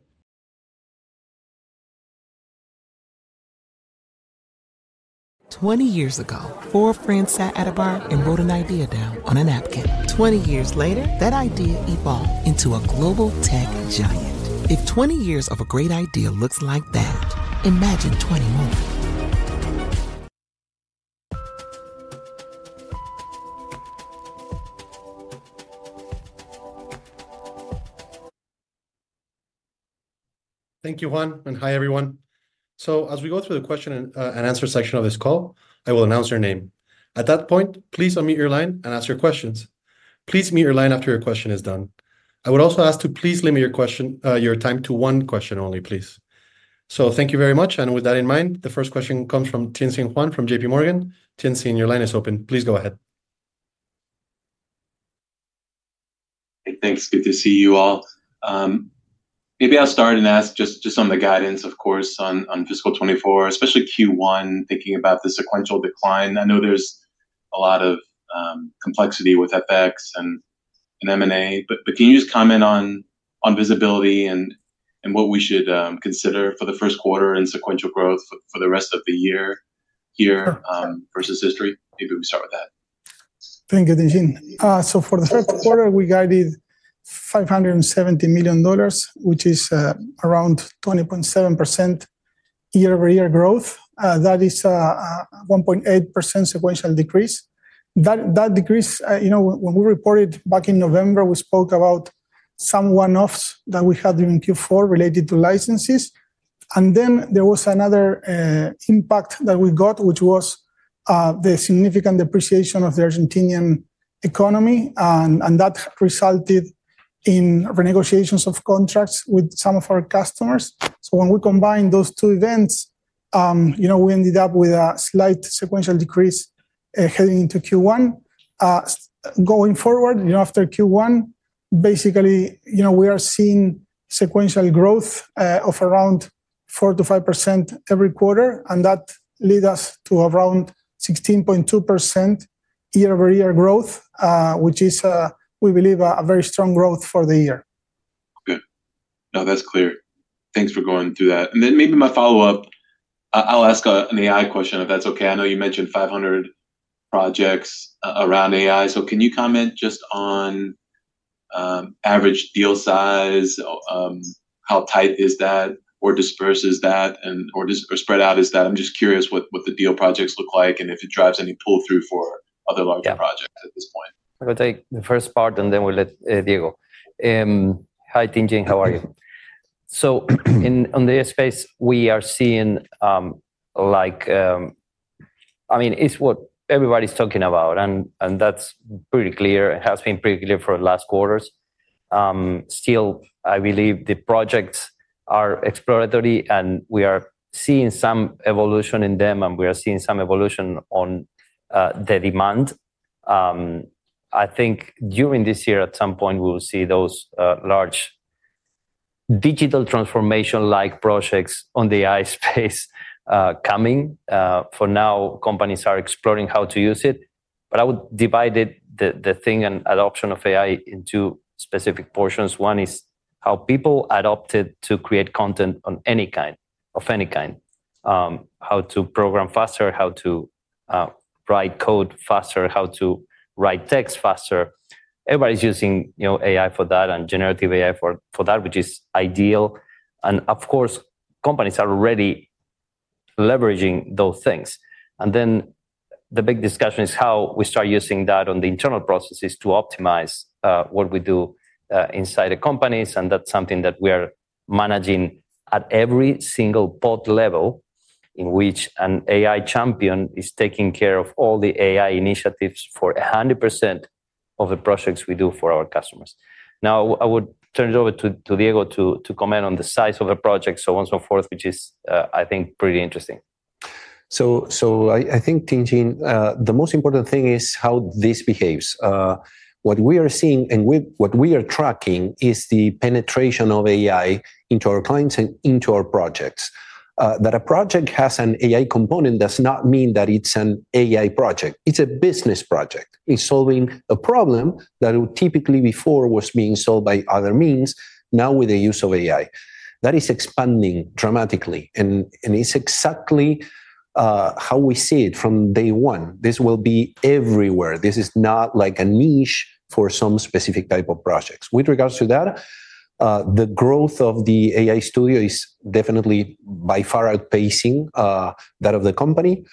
20 years ago, four friends sat at a bar and wrote an idea down on a napkin. 20 years later, that idea evolved into a global tech giant. If 20 years of a great idea looks like that, imagine 20 more. Thank you, Juan, and hi, everyone. So as we go through the question and answer section of this call, I will announce your name. At that point, please unmute your line and ask your questions. Please mute your line after your question is done. I would also ask to please limit your question, your time to one question only, please. So thank you very much. And with that in mind, the first question comes from Tien-Tsin Huang from JPMorgan. Tien-Tsin, your line is open. Please go ahead. Hey, thanks. Good to see you all. Maybe I'll start and ask just, just on the guidance, of course, on, on fiscal 2024, especially Q1, thinking about the sequential decline. I know there's a lot of complexity with FX and, and M&A, but, but can you just comment on, on visibility and, and what we should consider for the first quarter and sequential growth for the rest of the year versus history? Maybe we start with that. Thank you, Tien-Tsin, so for the first quarter, we guided $570 million, which is around 20.7% year-over-year growth. That is a 1.8% sequential decrease. That decrease, you know, when we reported back in November, we spoke about some one-offs that we had during Q4 related to licenses. And then there was another impact that we got, which was the significant depreciation of the Argentine economy, and that resulted in renegotiations of contracts with some of our customers. So when we combine those two events, you know, we ended up with a slight sequential decrease heading into Q1. Going forward, you know, after Q1, basically, you know, we are seeing sequential growth of around 4%-5% every quarter, and that lead us to around 16.2% year-over-year growth, which is, we believe, a very strong growth for the year. Good. No, that's clear. Thanks for going through that. And then maybe my follow-up, I'll ask an AI question, if that's okay. I know you mentioned 500 projects around AI, so can you comment just on average deal size? How tight is that, or dispersed is that, and/or spread out is that? I'm just curious what the deal projects look like, and if it drives any pull-through for other larger projects at this point. I will take the first part, and then we'll let, Diego. Hi, Tien-Tsin Huang, how are you? So on the AI space, we are seeing, like, I mean, it's what everybody's talking about, and, and that's pretty clear, and has been pretty clear for the last quarters. Still, I believe the projects are exploratory, and we are seeing some evolution in them, and we are seeing some evolution on, the demand. I think during this year, at some point, we will see those, large digital transformation-like projects on the AI space, coming. For now, companies are exploring how to use it, but I would divide it, the thing and adoption of AI, into specific portions. One is how people adopted to create content of any kind. How to program faster, how to write code faster, how to write text faster. Everybody's using, you know, AI for that and generative AI for that, which is ideal. And of course, companies are already leveraging those things. And then the big discussion is how we start using that on the internal processes to optimize what we do inside the companies, and that's something that we are managing at every single pod level, in which an AI champion is taking care of all the AI initiatives for 100% of the projects we do for our customers. Now, I would turn it over to Diego to comment on the size of the project, so on, so forth, which is, I think, pretty interesting. So I think, Tien-Tsin, the most important thing is how this behaves. What we are seeing and what we are tracking is the penetration of AI into our clients and into our projects. That a project has an AI component does not mean that it's an AI project. It's a business project. It's solving a problem that would typically before was being solved by other means, now with the use of AI. That is expanding dramatically, and it's exactly how we see it from day one. This will be everywhere. This is not like a niche for some specific type of projects. With regards to that, the growth of the AI studio is definitely by far outpacing that of the company.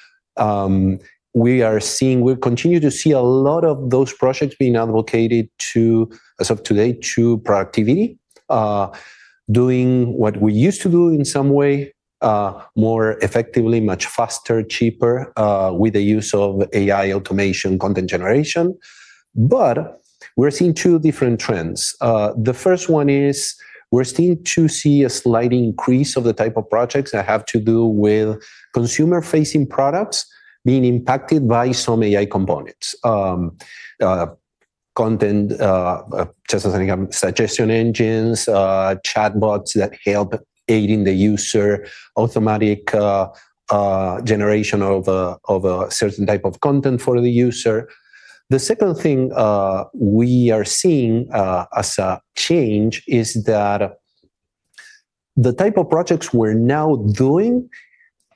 We are seeing we continue to see a lot of those projects being allocated to, as of today, to productivity, doing what we used to do in some way, more effectively, much faster, cheaper, with the use of AI automation, content generation. But we're seeing two different trends. The first one is we're still to see a slight increase of the type of projects that have to do with consumer-facing products being impacted by some AI components. Content, just as any, suggestion engines, chatbots that help aiding the user, automatic generation of a, of a certain type of content for the user. The second thing we are seeing as a change is that the type of projects we're now doing,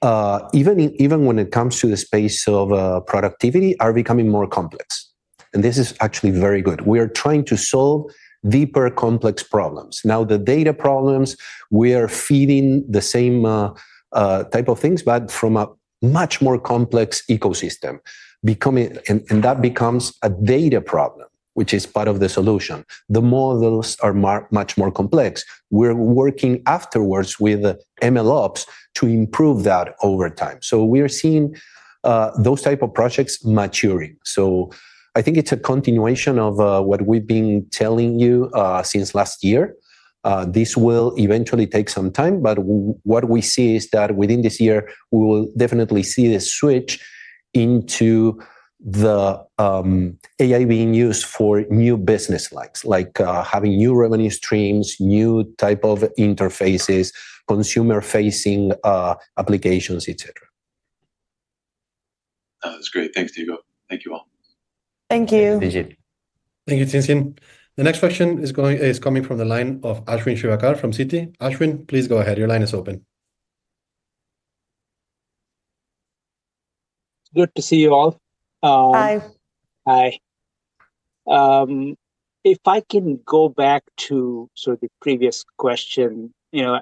even when it comes to the space of productivity, are becoming more complex, and this is actually very good. We are trying to solve deeper, complex problems. Now, the data problems, we are feeding the same type of things, but from a much more complex ecosystem. And that becomes a data problem, which is part of the solution. The models are much more complex. We're working afterwards with MLOps to improve that over time. So we are seeing those type of projects maturing. So I think it's a continuation of what we've been telling you since last year. This will eventually take some time, but what we see is that within this year, we will definitely see the switch into the AI being used for new business lines, like having new revenue streams, new type of interfaces, consumer-facing applications, et cetera. That's great. Thanks, Diego. Thank you, all. Thank you. Thank you. Thank you, Ting-Jing. The next question is coming from the line of Ashwin Shirvaikar from Citi. Ashwin, please go ahead. Your line is open. Good to see you all. Hi. Hi. If I can go back to sort of the previous question, you know,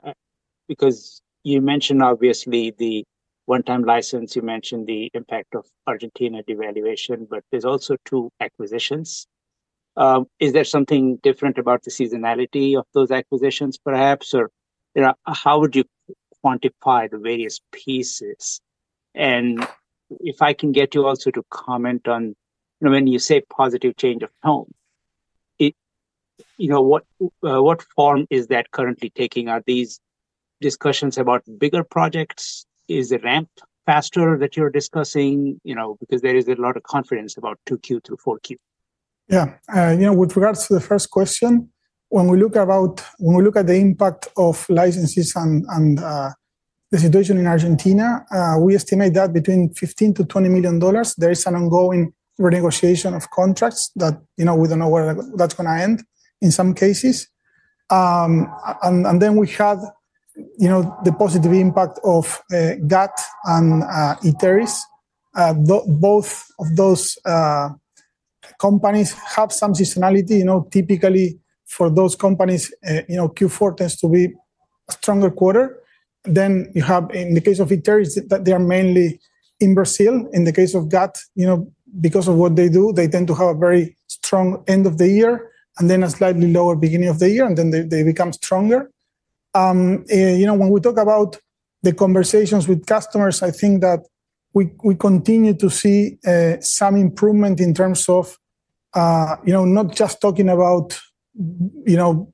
because you mentioned, obviously, the one-time license, you mentioned the impact of Argentina devaluation, but there's also two acquisitions. Is there something different about the seasonality of those acquisitions, perhaps? Or, you know, how would you quantify the various pieces? And if I can get you also to comment on when you say positive change of tone, it, you know, what, what form is that currently taking? Are these discussions about bigger projects? Is the ramp faster that you're discussing? You know, because there is a lot of confidence about 2Q to 4Q. Yeah. You know, with regards to the first question, when we look at the impact of licenses and the situation in Argentina, we estimate that between $15 million to $20 million, there is an ongoing renegotiation of contracts that, you know, we don't know where that's gonna end in some cases. And then we have, you know, the positive impact of GUT and Iteris. Both of those companies have some seasonality. You know, typically for those companies, you know, Q4 tends to be a stronger quarter. Then you have, in the case of Iteris, that they are mainly in Brazil. In the case of GUT, you know, because of what they do, they tend to have a very strong end of the year, and then a slightly lower beginning of the year, and then they become stronger. You know, when we talk about the conversations with customers, I think that we continue to see some improvement in terms of, you know, not just talking about, you know,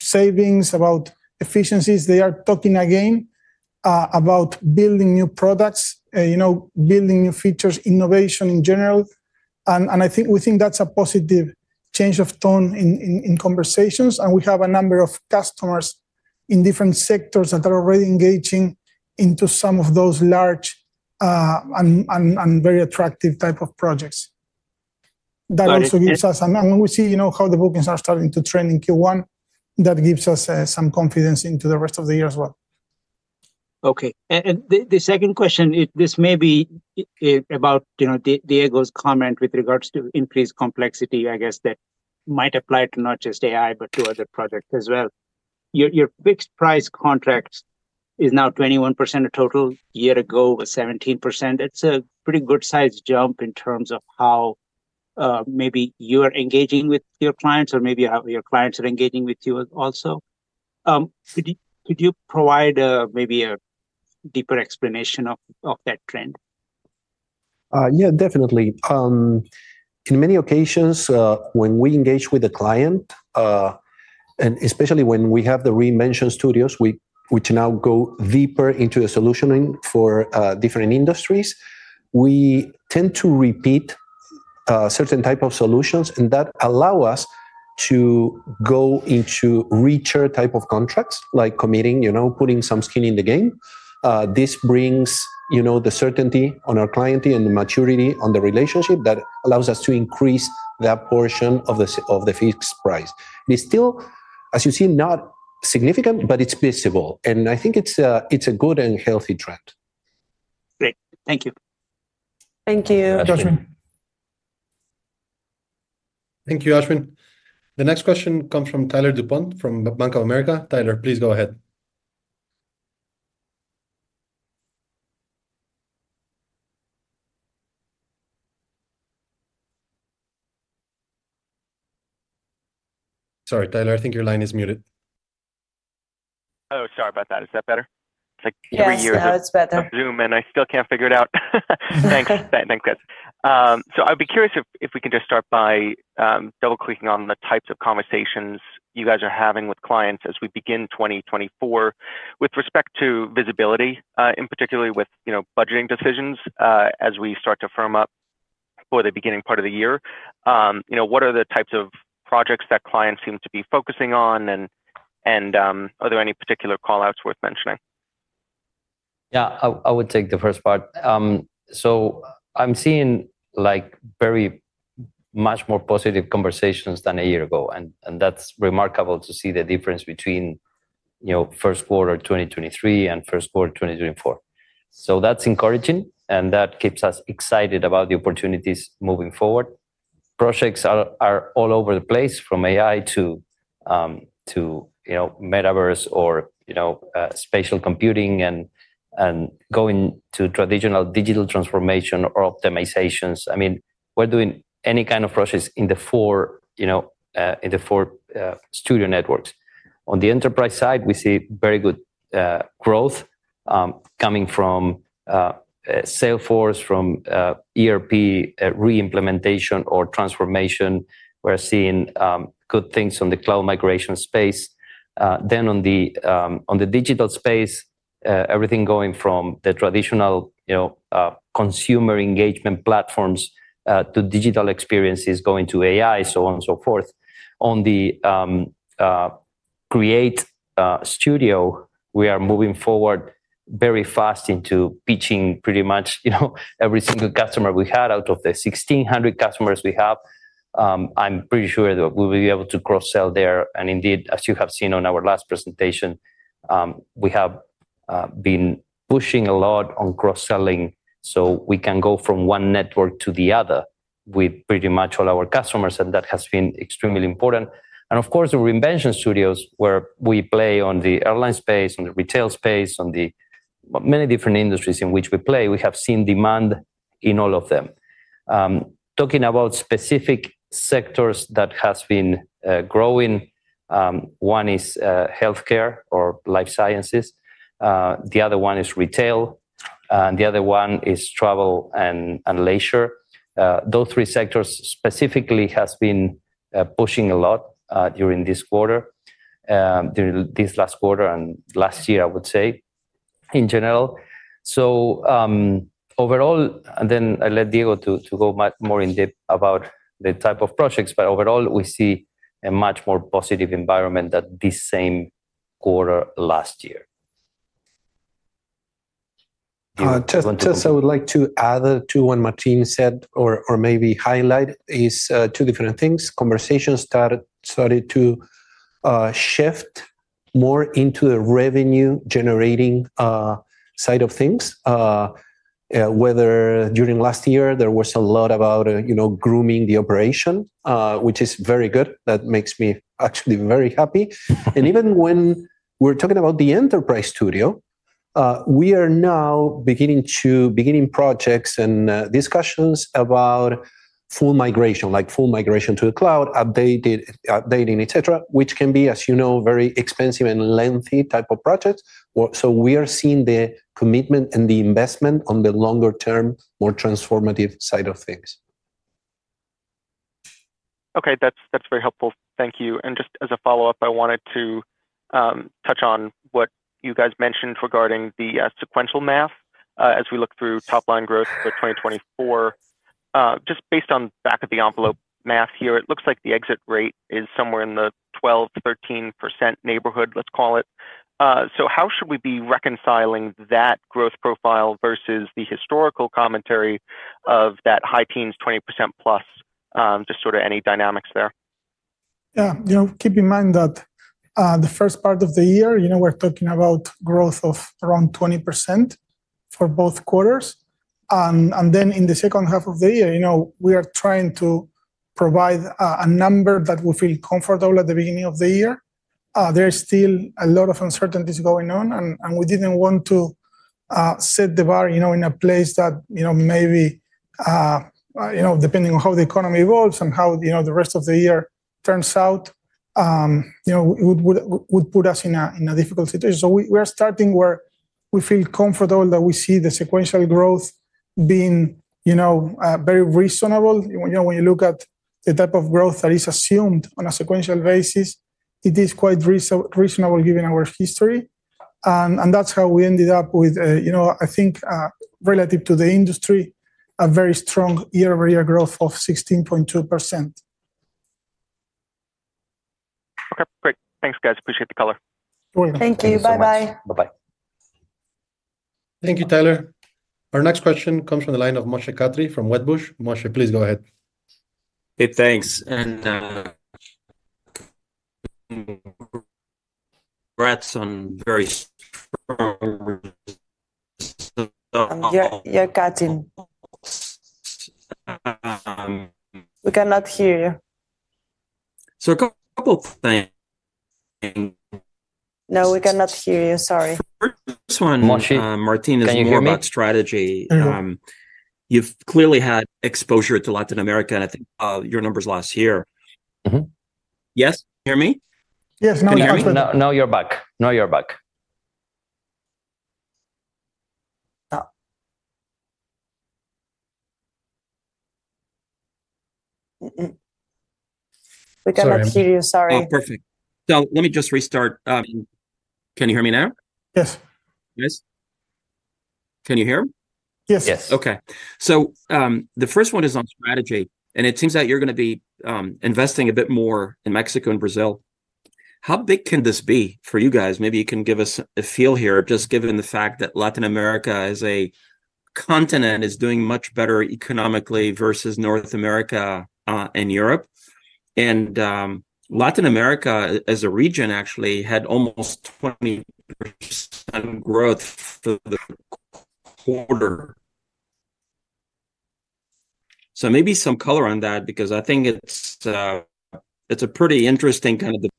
savings, about efficiencies. They are talking again about building new products, you know, building new features, innovation in general. And I think we think that's a positive change of tone in conversations, and we have a number of customers in different sectors that are already engaging into some of those large and very attractive type of projects. That also gives us, and when we see, you know, how the bookings are starting to trend in Q1, that gives us some confidence into the rest of the year as well. Okay. And the second question is, this may be about, you know, Diego's comment with regards to increased complexity, I guess, that might apply to not just AI, but to other projects as well. Your fixed price contracts is now 21% of total, year ago was 17%. It's a pretty good size jump in terms of how maybe you are engaging with your clients or maybe how your clients are engaging with you also. Could you provide a maybe a deeper explanation of that trend? Yeah, definitely. In many occasions, when we engage with a client, and especially when we have the Reinvention Studios, which now go deeper into the solutioning for different industries, we tend to repeat certain type of solutions, and that allow us to go into richer type of contracts, like committing, you know, putting some skin in the game. This brings, you know, the certainty on our client and the maturity on the relationship that allows us to increase that portion of the fixed price. It's still, as you see, not significant, but it's visible, and I think it's a good and healthy trend. Great. Thank you. Thank you. Thank you, Ashwin. The next question comes from Tyler DuPont, from Bank of America. Tyler, please go ahead. Sorry, Tyler, I think your line is muted. Oh, sorry about that. Is that better? Yes, now it's better. It's like every year of Zoom, and I still can't figure it out. Thanks. Thanks, guys. So I'd be curious if, if we can just start by, double-clicking on the types of conversations you guys are having with clients as we begin 2024. With respect to visibility, and particularly with, you know, budgeting decisions, as we start to firm up for the beginning part of the year, you know, what are the types of projects that clients seem to be focusing on, and, and, are there any particular call-outs worth mentioning? Yeah, I would take the first part. So I'm seeing like very much more positive conversations than a year ago, and that's remarkable to see the difference between, you know, first quarter of 2023 and first quarter 2024. So that's encouraging, and that keeps us excited about the opportunities moving forward. Projects are all over the place, from AI to, you know, metaverse or, you know, Spatial Computing and going to traditional digital transformation or optimizations. I mean, we're doing any kind of projects in the four, you know, in the four studio networks. On the enterprise side, we see very good growth coming from Salesforce, from ERP re-implementation or transformation. We're seeing good things from the cloud migration space. Then on the digital space, everything going from the traditional, you know, consumer engagement platforms to digital experiences, going to AI, so on and so forth. On the creative studio, we are moving forward very fast into pitching pretty much, you know, every single customer we had out of the 1,600 customers we have. I'm pretty sure that we will be able to cross-sell there, and indeed, as you have seen on our last presentation, we have been pushing a lot on cross-selling, so we can go from one network to the other with pretty much all our customers, and that has been extremely important. And of course, the Reinvention Studios, where we play on the airline space, on the retail space, on the many different industries in which we play, we have seen demand in all of them. Talking about specific sectors that has been growing, one is healthcare or life sciences, the other one is retail, and the other one is travel and leisure. Those three sectors specifically has been pushing a lot during this quarter, during this last quarter and last year, I would say, in general. So, overall, and then I'll let Diego to go much more in depth about the type of projects, but overall, we see a much more positive environment than this same quarter last year. Just I would like to add to what Martín said or, or maybe highlight is two different things. Conversations started, started to shift more into the revenue generating side of things. Whether during last year there was a lot about, you know, grooming the operation, which is very good. That makes me actually very happy. And even when we're talking about the Enterprise Studio, we are now beginning to, beginning projects and discussions about full migration, like full migration to the cloud, updating, etc., which can be, as you know, very expensive and lengthy type of projects. Well, so we are seeing the commitment and the investment on the longer term, more transformative side of things. Okay. That's very helpful. Thank you. And just as a follow-up, I wanted to touch on what you guys mentioned regarding the sequential math. As we look through top-line growth for 2024, just based on back of the envelope math here, it looks like the exit rate is somewhere in the 12%-13% neighborhood, let's call it. So how should we be reconciling that growth profile versus the historical commentary of that high teens, 20% plus, just sort of any dynamics there? Yeah. You know, keep in mind that, the first part of the year, you know, we're talking about growth of around 20% for both quarters. And then in the second half of the year, you know, we are trying to provide a number that we feel comfortable at the beginning of the year. There is still a lot of uncertainties going on, and we didn't want to set the bar, you know, in a place that, you know, maybe, you know, depending on how the economy evolves and how, you know, the rest of the year turns out, you know, would put us in a difficult situation. So we are starting where we feel comfortable that we see the sequential growth being, you know, very reasonable. You know, when you look at the type of growth that is assumed on a sequential basis, it is quite reasonable given our history. And that's how we ended up with, you know, I think, relative to the industry, a very strong year-over-year growth of 16.2%. Okay, great. Thanks, guys. Appreciate the color. Welcome. Thank you. Bye-bye. Thank you so much. Bye-bye. Thank you, Tyler. Our next question comes from the line of Moshe Katri from Wedbush. Moshe, please go ahead. Hey, thanks, and congrats on very strong- You're cutting. Um, um- We cannot hear you. A couple things, and- No, we cannot hear you. Sorry. - Moshe-... Martin, is more about strategy. Mm-hmm. You've clearly had exposure to Latin America, and I think, your numbers last year- Mm-hmm. Yes, hear me? Yes, now- Can you hear me? Now, now you're back. Now you're back. We cannot hear you- Sorry about that. Sorry. Oh, perfect. Now let me just restart. Can you hear me now? Yes. Yes. Can you hear? Yes. Yes. Okay. So, the first one is on strategy, and it seems that you're gonna be investing a bit more in Mexico and Brazil. How big can this be for you guys? Maybe you can give us a feel here, just given the fact that Latin America as a continent is doing much better economically versus North America and Europe. And, Latin America, as a region, actually, had almost 20% growth for the quarter. So maybe some color on that, because I think it's a pretty interesting kind of the-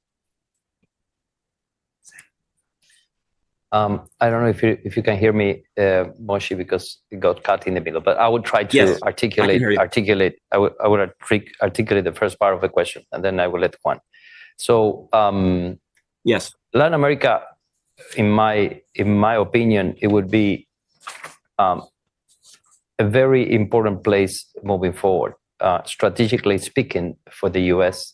I don't know if you can hear me, Moshe, because it got cut in the middle, but I would try to- Yes... articulate the first part of the question, and then I will let Juan. So, Yes Latin America, in my opinion, it would be a very important place moving forward, strategically speaking, for the U.S.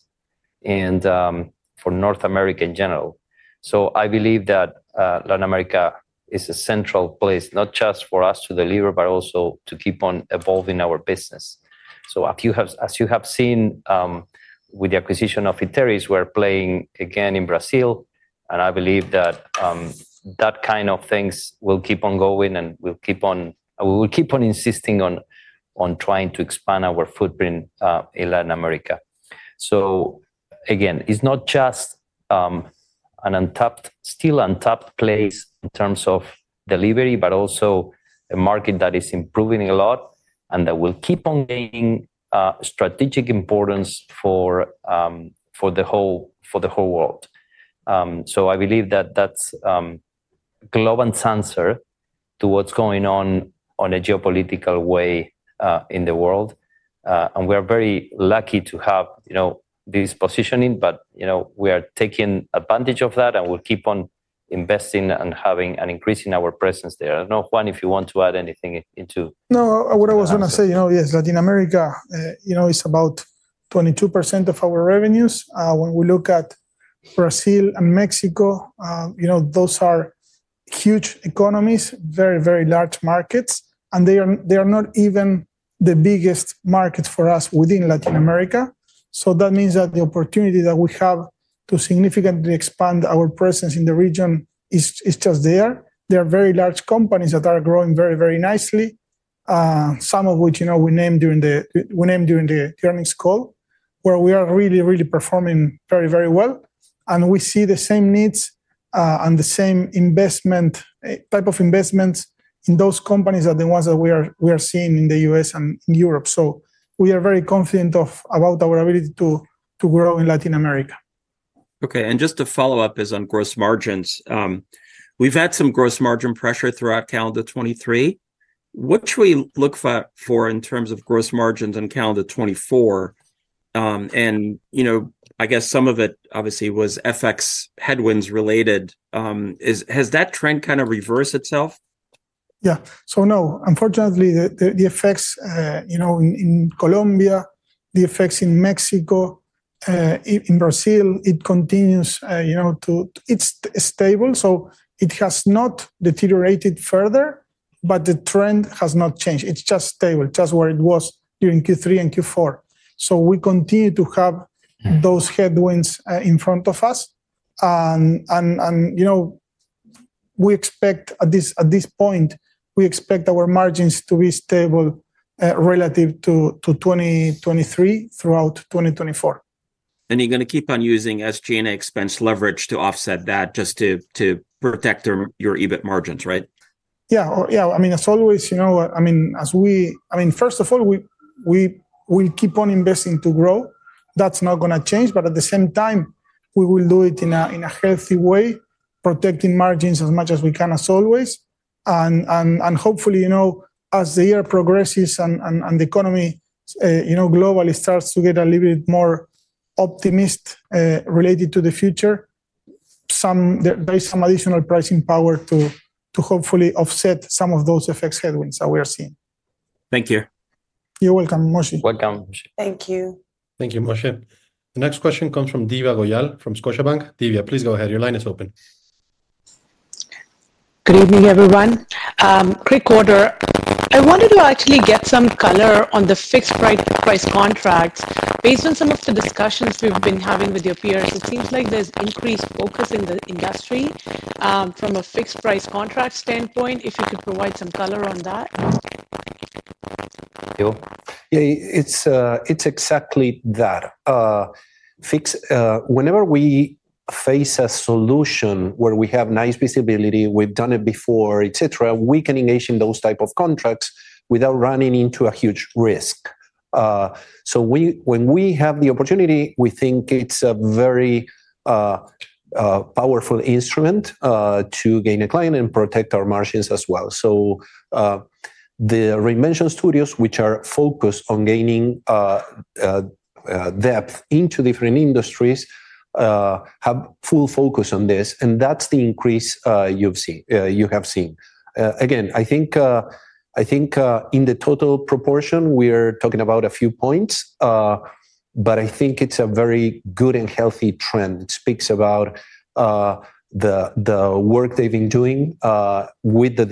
and for North America in general. So I believe that Latin America is a central place, not just for us to deliver, but also to keep on evolving our business. So as you have seen, with the acquisition of Iteris, we're playing again in Brazil, and I believe that kind of things will keep on going and we will keep on insisting on trying to expand our footprint in Latin America. So again, it's not just an untapped, still untapped place in terms of delivery, but also a market that is improving a lot and that will keep on gaining strategic importance for the whole world. So I believe that that's global answer to what's going on on a geopolitical way in the world. And we are very lucky to have, you know, this positioning, but, you know, we are taking advantage of that, and we'll keep on investing and having an increase in our presence there. I don't know, Juan, if you want to add anything into- No, what I was gonna say, you know, yes, Latin America, you know, is about 22% of our revenues. When we look at Brazil and Mexico, you know, those are huge economies, very, very large markets, and they are, they are not even the biggest markets for us within Latin America. So that means that the opportunity that we have to significantly expand our presence in the region is just there. They are very large companies that are growing very, very nicely, you know, some of which, we named during the, we named during the earnings call, where we are really, really performing very, very well. And we see the same needs, and the same investment, type of investments in those companies are the ones that we are, we are seeing in the U.S. and in Europe. So, we are very confident about our ability to grow in Latin America. Okay, and just to follow up is on gross margins. We've had some gross margin pressure throughout calendar 2023. What should we look for, for in terms of gross margins in calendar 2024? And, you know, I guess some of it obviously was FX headwinds related. Has that trend kind of reversed itself? Yeah. So no, unfortunately, the effects, you know, in Colombia, the effects in Mexico, in Brazil, it continues, you know, it's stable, so it has not deteriorated further but the trend has not changed. It's just stable, just where it was during Q3 and Q4. So we continue to have those headwinds in front of us. And you know, we expect at this point our margins to be stable relative to 2023 throughout 2024. You're gonna keep on using SG&A expense leverage to offset that, just to protect your EBIT margins, right? Yeah. Or yeah, I mean, as always, you know what, I mean, first of all, we keep on investing to grow. That's not gonna change, but at the same time, we will do it in a healthy way, protecting margins as much as we can, as always. And hopefully, you know, as the year progresses and the economy globally starts to get a little bit more optimistic related to the future, there is some additional pricing power to hopefully offset some of those effects, headwinds that we are seeing. Thank you. You're welcome, Moshe. Welcome, Moshe. Thank you. Thank you, Moshe. The next question comes from Divya Goyal from Scotiabank. Divya, please go ahead. Your line is open. Good evening, everyone. Quick order. I wanted to actually get some color on the fixed price, price contracts. Based on some of the discussions we've been having with your peers, it seems like there's increased focus in the industry, from a fixed price contract standpoint. If you could provide some color on that? Yeah, it's exactly that. Whenever we face a solution where we have nice visibility, we've done it before, et cetera, we can engage in those type of contracts without running into a huge risk. When we have the opportunity, we think it's a very powerful instrument to gain a client and protect our margins as well. So, the dimension studios, which are focused on gaining depth into different industries, have full focus on this, and that's the increase you've seen. Again, I think in the total proportion, we're talking about a few points, but I think it's a very good and healthy trend. It speaks about the work they've been doing with the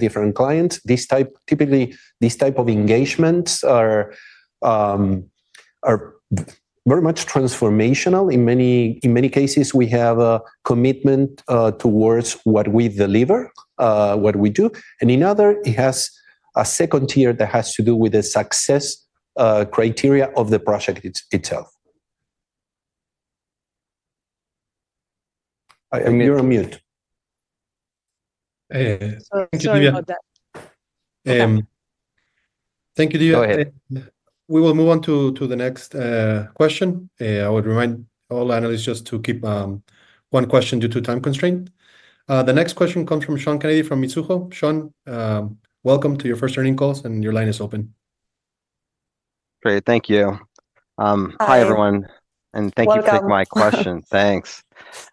different clients. These typically, these type of engagements are, are very much transformational. In many, in many cases, we have a commitment towards what we deliver, what we do, and in other, it has a second tier that has to do with the success criteria of the project itself. You're on mute. Thank you, Divya. Sorry about that. Thank you, Divya. Go ahead. We will move on to the next question. I would remind all analysts just to keep one question due to time constraint. The next question comes from Sean Kennedy, from Mizuho. Sean, welcome to your first earnings call, and your line is open. Great. Thank you. Hi, everyone- Hi. Thank you- Welcome for taking my question. Thanks.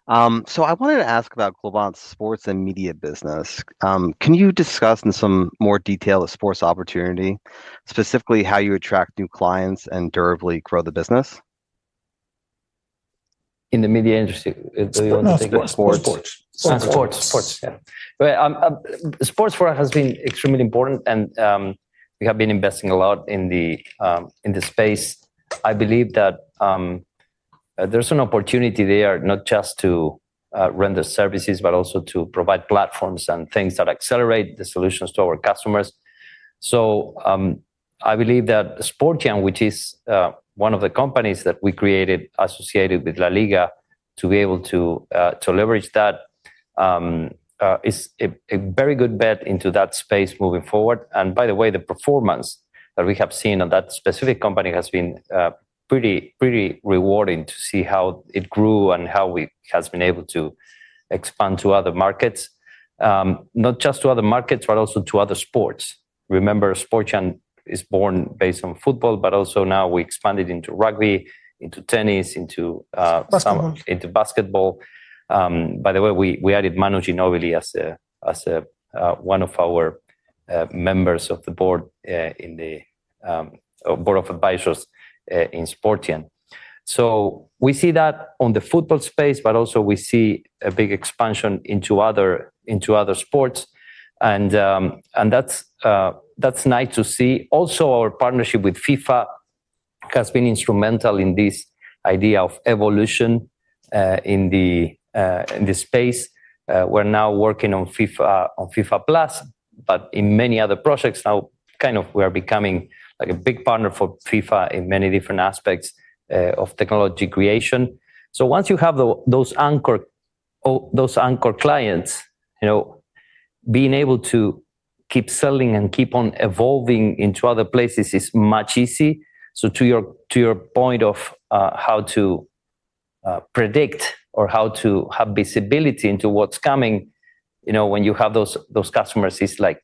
I wanted to ask about Globant's sports and media business. Can you discuss in some more detail the sports opportunity, specifically how you attract new clients and durably grow the business? In the media industry? No, sports. Sports. Sports, yeah. Sports for us has been extremely important, and we have been investing a lot in the space. I believe that there's an opportunity there, not just to render services, but also to provide platforms and things that accelerate the solutions to our customers. So I believe that Sportian, which is one of the companies that we created associated with LaLiga, to be able to leverage that, is a very good bet into that space moving forward. And by the way, the performance that we have seen on that specific company has been pretty, pretty rewarding to see how it grew and how we have been able to expand to other markets, not just to other markets, but also to other sports. Remember, Sportian is born based on football, but also now we expanded into rugby, into tennis, into some- Basketball... into basketball. By the way, we added Manu Ginóbili as one of our members of the board in the board of advisors in Sportian. So we see that on the football space, but also we see a big expansion into other sports, and that's nice to see. Also, our partnership with FIFA has been instrumental in this idea of evolution in the space. We're now working on FIFA on FIFA Plus, but in many other projects now, kind of we are becoming like a big partner for FIFA in many different aspects of technology creation. So once you have those anchor clients, you know, being able to keep selling and keep on evolving into other places is much easy. So to your point of how to predict or how to have visibility into what's coming, you know, when you have those customers, it's like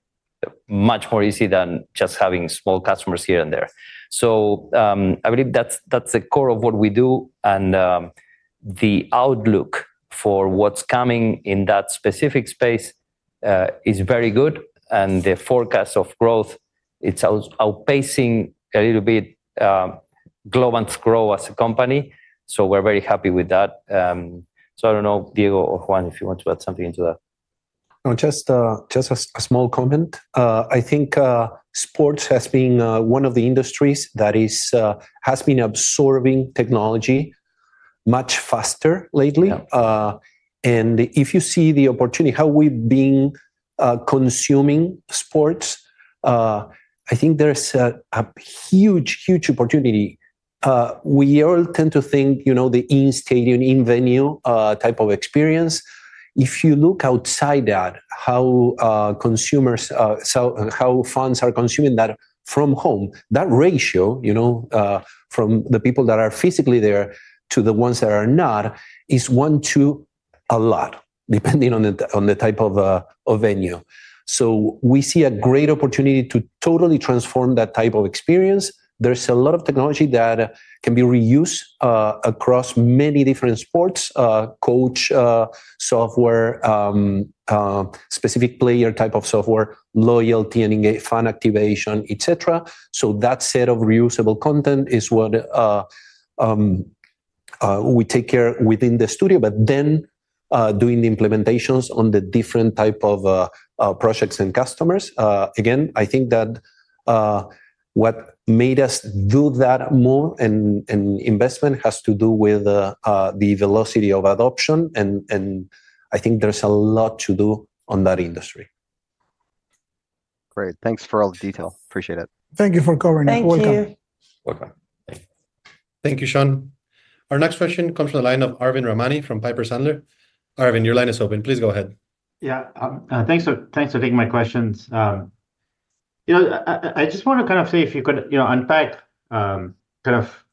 much more easy than just having small customers here and there. So I believe that's the core of what we do, and the outlook for what's coming in that specific space is very good, and the forecast of growth, it's outpacing a little bit grow and grow as a company, so we're very happy with that. So I don't know, Diego or Juan, if you want to add something into that. No, just a small comment. I think sports has been one of the industries that has been absorbing technology much faster lately. Yeah. If you see the opportunity, how we've been consuming sports, I think there's a huge, huge opportunity. We all tend to think, you know, the in-stadium, in-venue type of experience. If you look outside that, how fans are consuming that from home, that ratio, you know, from the people that are physically there to the ones that are not, is one to a lot, depending on the type of venue. So we see a great opportunity to totally transform that type of experience. There's a lot of technology that can be reused across many different sports, coach software, specific player type of software, loyalty and engage, fan activation, et cetera. So that set of reusable content is what we take care within the studio, but then doing the implementations on the different type of projects and customers. Again, I think that what made us do that more and investment has to do with the velocity of adoption, and I think there's a lot to do on that industry. Great. Thanks for all the detail. Appreciate it. Thank you for covering it. Thank you. Welcome. Welcome. Thanks. Thank you, Sean. Our next question comes from the line of Arvind Ramnani from Piper Sandler. Arvind, your line is open. Please go ahead. Yeah, thanks for taking my questions. You know, I just wanna kind of see if you could, you know, unpack kind of,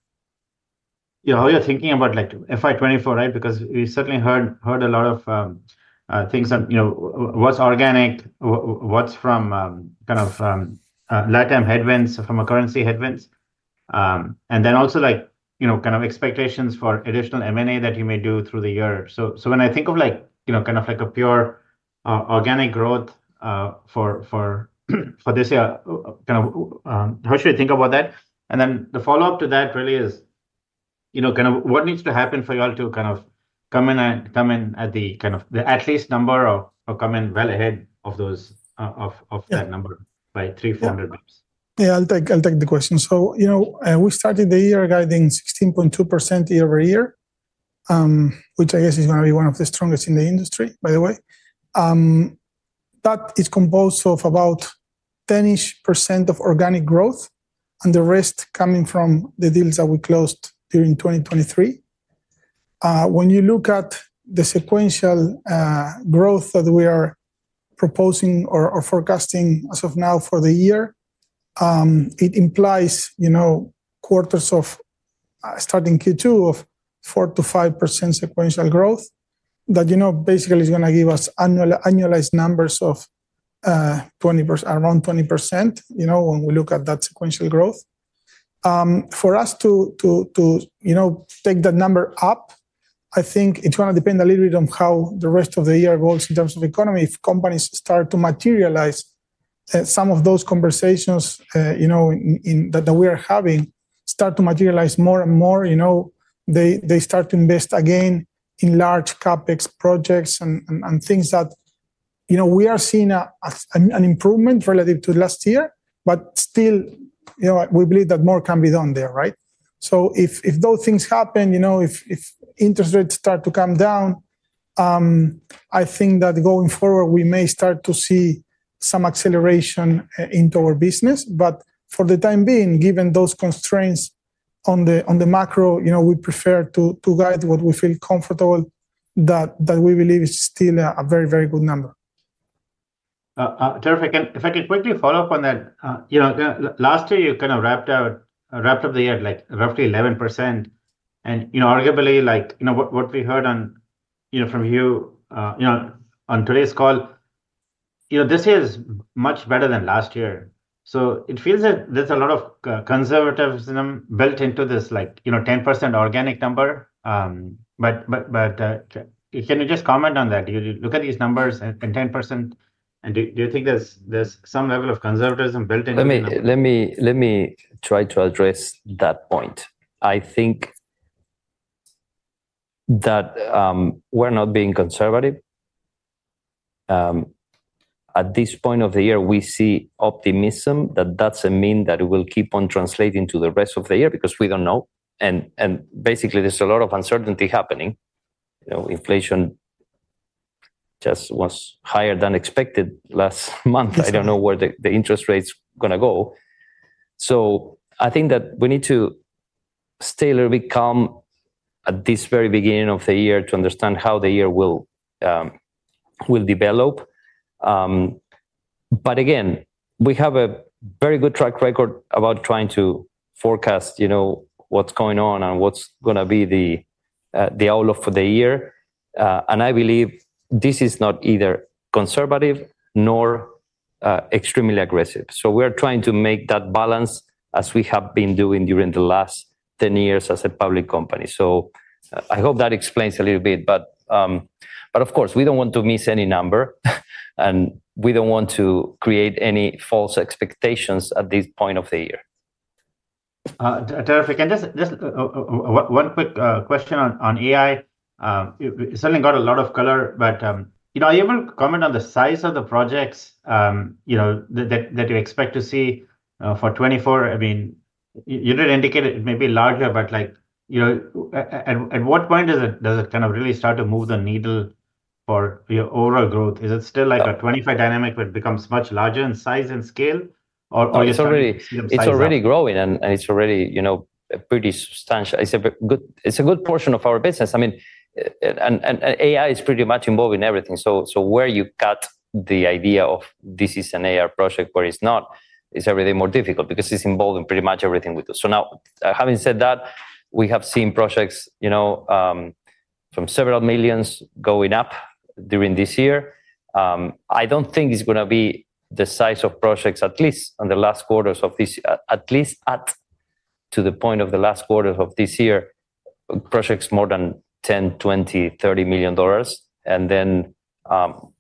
you know, how you're thinking about, like, FY 2024, right? Because we certainly heard a lot of things that, you know, what's organic, what's from kind of late-term headwinds from a currency headwinds, and then also, like, you know, kind of expectations for additional M&A that you may do through the year. So when I think of, like, you know, kind of like a pure organic growth for this year, kind of, how should I think about that? And then the follow-up to that really is, you know, kind of what needs to happen for them to kind of come in at the kind of the at least number or come in well ahead of those of that- Yeah... number by 300-400 basis points? Yeah, I'll take, I'll take the question. So, you know, we started the year guiding 16.2% year-over-year, which I guess is gonna be one of the strongest in the industry, by the way. That is composed of about 10-ish% of organic growth, and the rest coming from the deals that we closed during 2023. When you look at the sequential growth that we are proposing or forecasting as of now for the year, it implies, you know, quarters of starting Q2 of 4%-5% sequential growth, that, you know, basically is gonna give us annualized numbers of 20 around 20%, you know, when we look at that sequential growth. For us to take that number up, I think it's gonna depend a little bit on how the rest of the year goes in terms of economy. If companies start to materialize some of those conversations that we are having start to materialize more and more, you know, they start to invest again in large CapEx projects and things that we are seeing an improvement relative to last year, but still, you know, we believe that more can be done there, right? So if those things happen, you know, if interest rates start to come down, I think that going forward, we may start to see some acceleration into our business. But for the time being, given those constraints on the macro, you know, we prefer to guide what we feel comfortable, that we believe is still a very, very good number. Terrific. If I could quickly follow up on that. You know, last year, you kind of wrapped up the year at, like, roughly 11%. And, you know, arguably, like, you know, what we heard on, you know, from you, you know, on today's call, you know, this year is much better than last year. So it feels that there's a lot of conservatism built into this, like, you know, 10% organic number. But, can you just comment on that? You look at these numbers and 10%, and do you think there's some level of conservatism built in? Let me try to address that point. I think that, we're not being conservative. At this point of the year, we see optimism, that that means it will keep on translating to the rest of the year, because we don't know, and basically, there's a lot of uncertainty happening. You know, inflation just was higher than expected last month. I don't know where the interest rates gonna go. So I think that we need to stay a little bit calm at this very beginning of the year to understand how the year will develop. But again, we have a very good track record about trying to forecast, you know, what's going on and what's gonna be the outlook for the year. And I believe this is not either conservative nor extremely aggressive. So we're trying to make that balance as we have been doing during the last 10 years as a public company. So I hope that explains a little bit, but, but of course, we don't want to miss any number, and we don't want to create any false expectations at this point of the year. Terrific, and just one quick question on AI. It certainly got a lot of color, but, you know, are you able to comment on the size of the projects, you know, that you expect to see for 2024? I mean, you did indicate it may be larger, but like, you know, at what point does it kind of really start to move the needle for your overall growth? Is it still like a 25 dynamic, but it becomes much larger in size and scale, or- It's already- Size up. It's already growing, and it's already, you know, a pretty substantial... It's a good-- it's a good portion of our business. I mean, AI is pretty much involved in everything. So where you cut the idea of this is an AI project, but it's not, is everything more difficult? Because it's involved in pretty much everything we do. So now, having said that, we have seen projects, you know, from several millions going up during this year. I don't think it's gonna be the size of projects, at least on the last quarters of this year-- at least up to the point of the last quarter of this year, projects more than $10, $20, $30 million.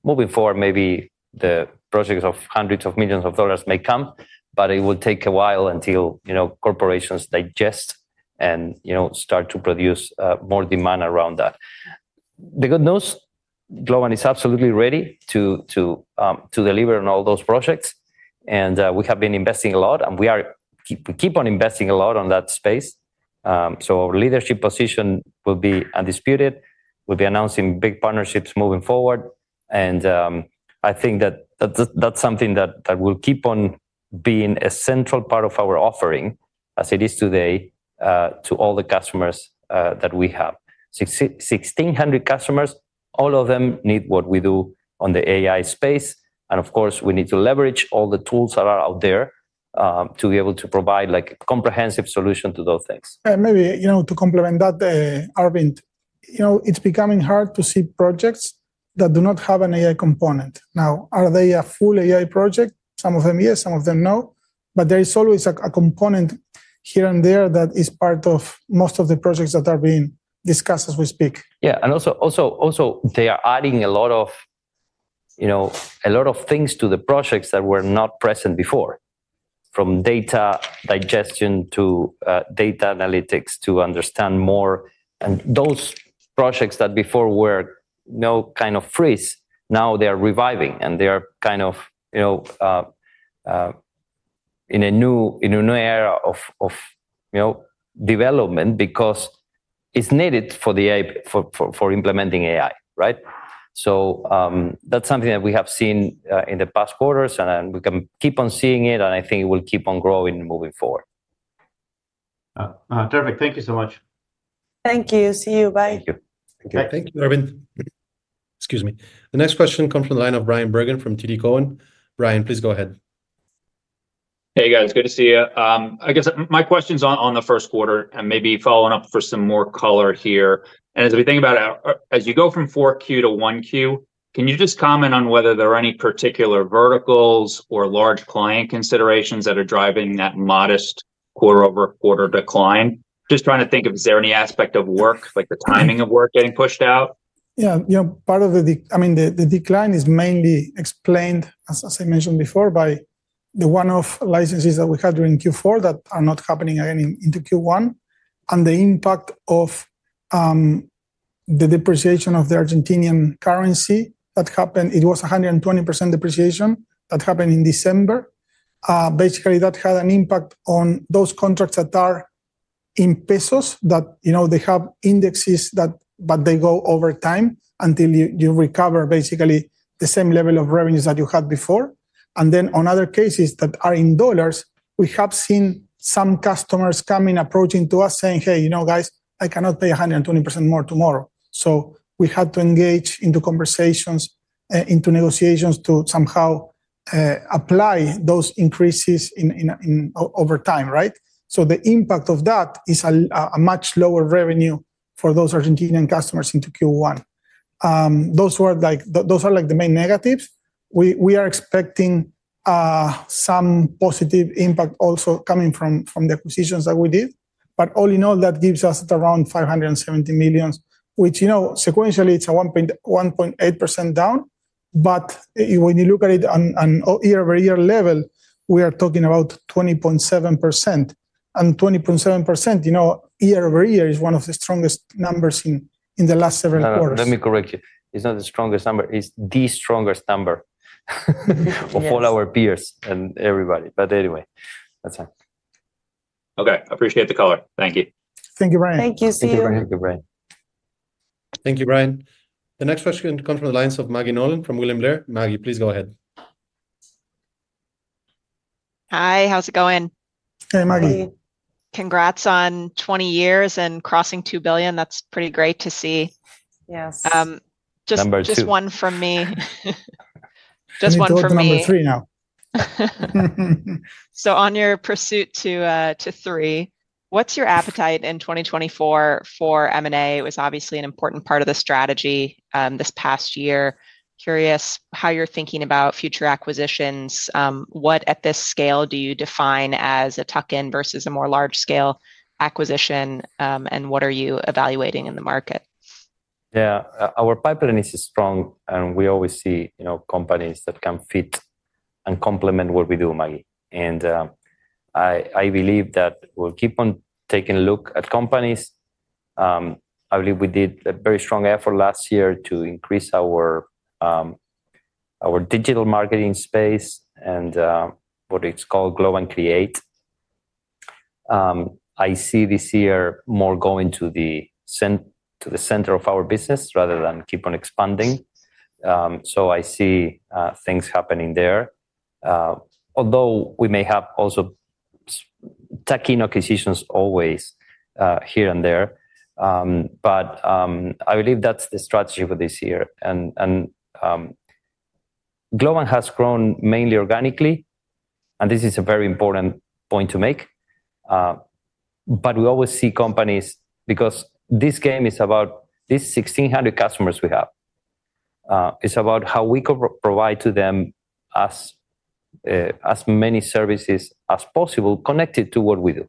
Moving forward, maybe the projects of $hundreds of millions may come, but it will take a while until, you know, corporations digest and, you know, start to produce more demand around that. The good news, Globant is absolutely ready to deliver on all those projects, and we have been investing a lot, and we keep on investing a lot on that space. So our leadership position will be undisputed. We'll be announcing big partnerships moving forward, and I think that that's something that will keep on being a central part of our offering, as it is today, to all the customers that we have. 1,600 customers, all of them need what we do on the AI space, and of course, we need to leverage all the tools that are out there, to be able to provide like comprehensive solution to those things. Maybe, you know, to complement that, Arvind, you know, it's becoming hard to see projects that do not have an AI component. Now, are they a full AI project? Some of them, yes, some of them, no. But there is always a component here and there that is part of most of the projects that are being discussed as we speak. Yeah. And also, they are adding a lot of, you know, a lot of things to the projects that were not present before, from data digestion to data analytics to understand more. And those projects that before were no kind of freeze, now they are reviving, and they are kind of, you know, in a new era of development because it's needed for the AI for implementing AI, right? So, that's something that we have seen in the past quarters, and we can keep on seeing it, and I think it will keep on growing moving forward. Terrific. Thank you so much. Thank you. See you. Bye. Thank you. Thank you. Thank you, Arvind. Excuse me. The next question comes from the line of Bryan Bergin from TD Cowen. Bryan, please go ahead. Hey, guys. Good to see you. I guess my question's on the first quarter, and maybe following up for some more color here. As we think about, as you go from 4Q to 1Q, can you just comment on whether there are any particular verticals or large client considerations that are driving that modest quarter-over-quarter decline? Just trying to think of, is there any aspect of work, like the timing of work getting pushed out? Yeah, you know, part of the, I mean, the, the decline is mainly explained, as, as I mentioned before, by the one-off licenses that we had during Q4 that are not happening again in, in the Q1, and the impact of, the depreciation of the Argentine currency that happened. It was a 120% depreciation that happened in December. Basically, that had an impact on those contracts that are in pesos, that, you know, they have indexes that... but they go over time until you, you recover basically the same level of revenues that you had before. On other cases that are in dollars, we have seen some customers coming, approaching to us, saying: Hey, you know, guys, I cannot pay 120% more tomorrow. So we had to engage into conversations into negotiations to somehow apply those increases in over time, right? So the impact of that is a much lower revenue for those Argentinian customers into Q1. Those are like the main negatives. We are expecting some positive impact also coming from the acquisitions that we did. But all in all, that gives us around $570 million, which, you know, sequentially, it's a 1.8% down. But when you look at it on a year-over-year level, we are talking about 20.7%, and 20.7%, you know, year-over-year is one of the strongest numbers in the last several quarters. Let me correct you. It's not the strongest number, it's the strongest number. Yes of all our peers and everybody. But anyway, that's fine. Okay. Appreciate the color. Thank you. Thank you, Bryan. Thank you. See you. Thank you, Bryan. Thank you, Bryan. The next question comes from the lines of Maggie Nolan from William Blair. Maggie, please go ahead. Hi, how's it going? Hey, Maggie. Congrats on 20 years and crossing $2 billion. That's pretty great to see. Yes. Number two. Just, just one from me. Just one from me. We go to number three now. So on your pursuit to three, what's your appetite in 2024 for M&A? It was obviously an important part of the strategy this past year. Curious how you're thinking about future acquisitions. What at this scale do you define as a tuck-in versus a more large-scale acquisition? And what are you evaluating in the market? Yeah, our pipeline is strong, and we always see, you know, companies that can fit and complement what we do, Maggie. And, I believe that we'll keep on taking a look at companies. I believe we did a very strong effort last year to increase our digital marketing space and what it's called Globant Create. I see this year more going to the center of our business rather than keep on expanding. So I see things happening there, although we may have also tuck-in acquisitions always, here and there. But I believe that's the strategy for this year. And Globant has grown mainly organically, and this is a very important point to make. But we always see companies because this game is about these 1,600 customers we have. It's about how we can provide to them as, as many services as possible connected to what we do,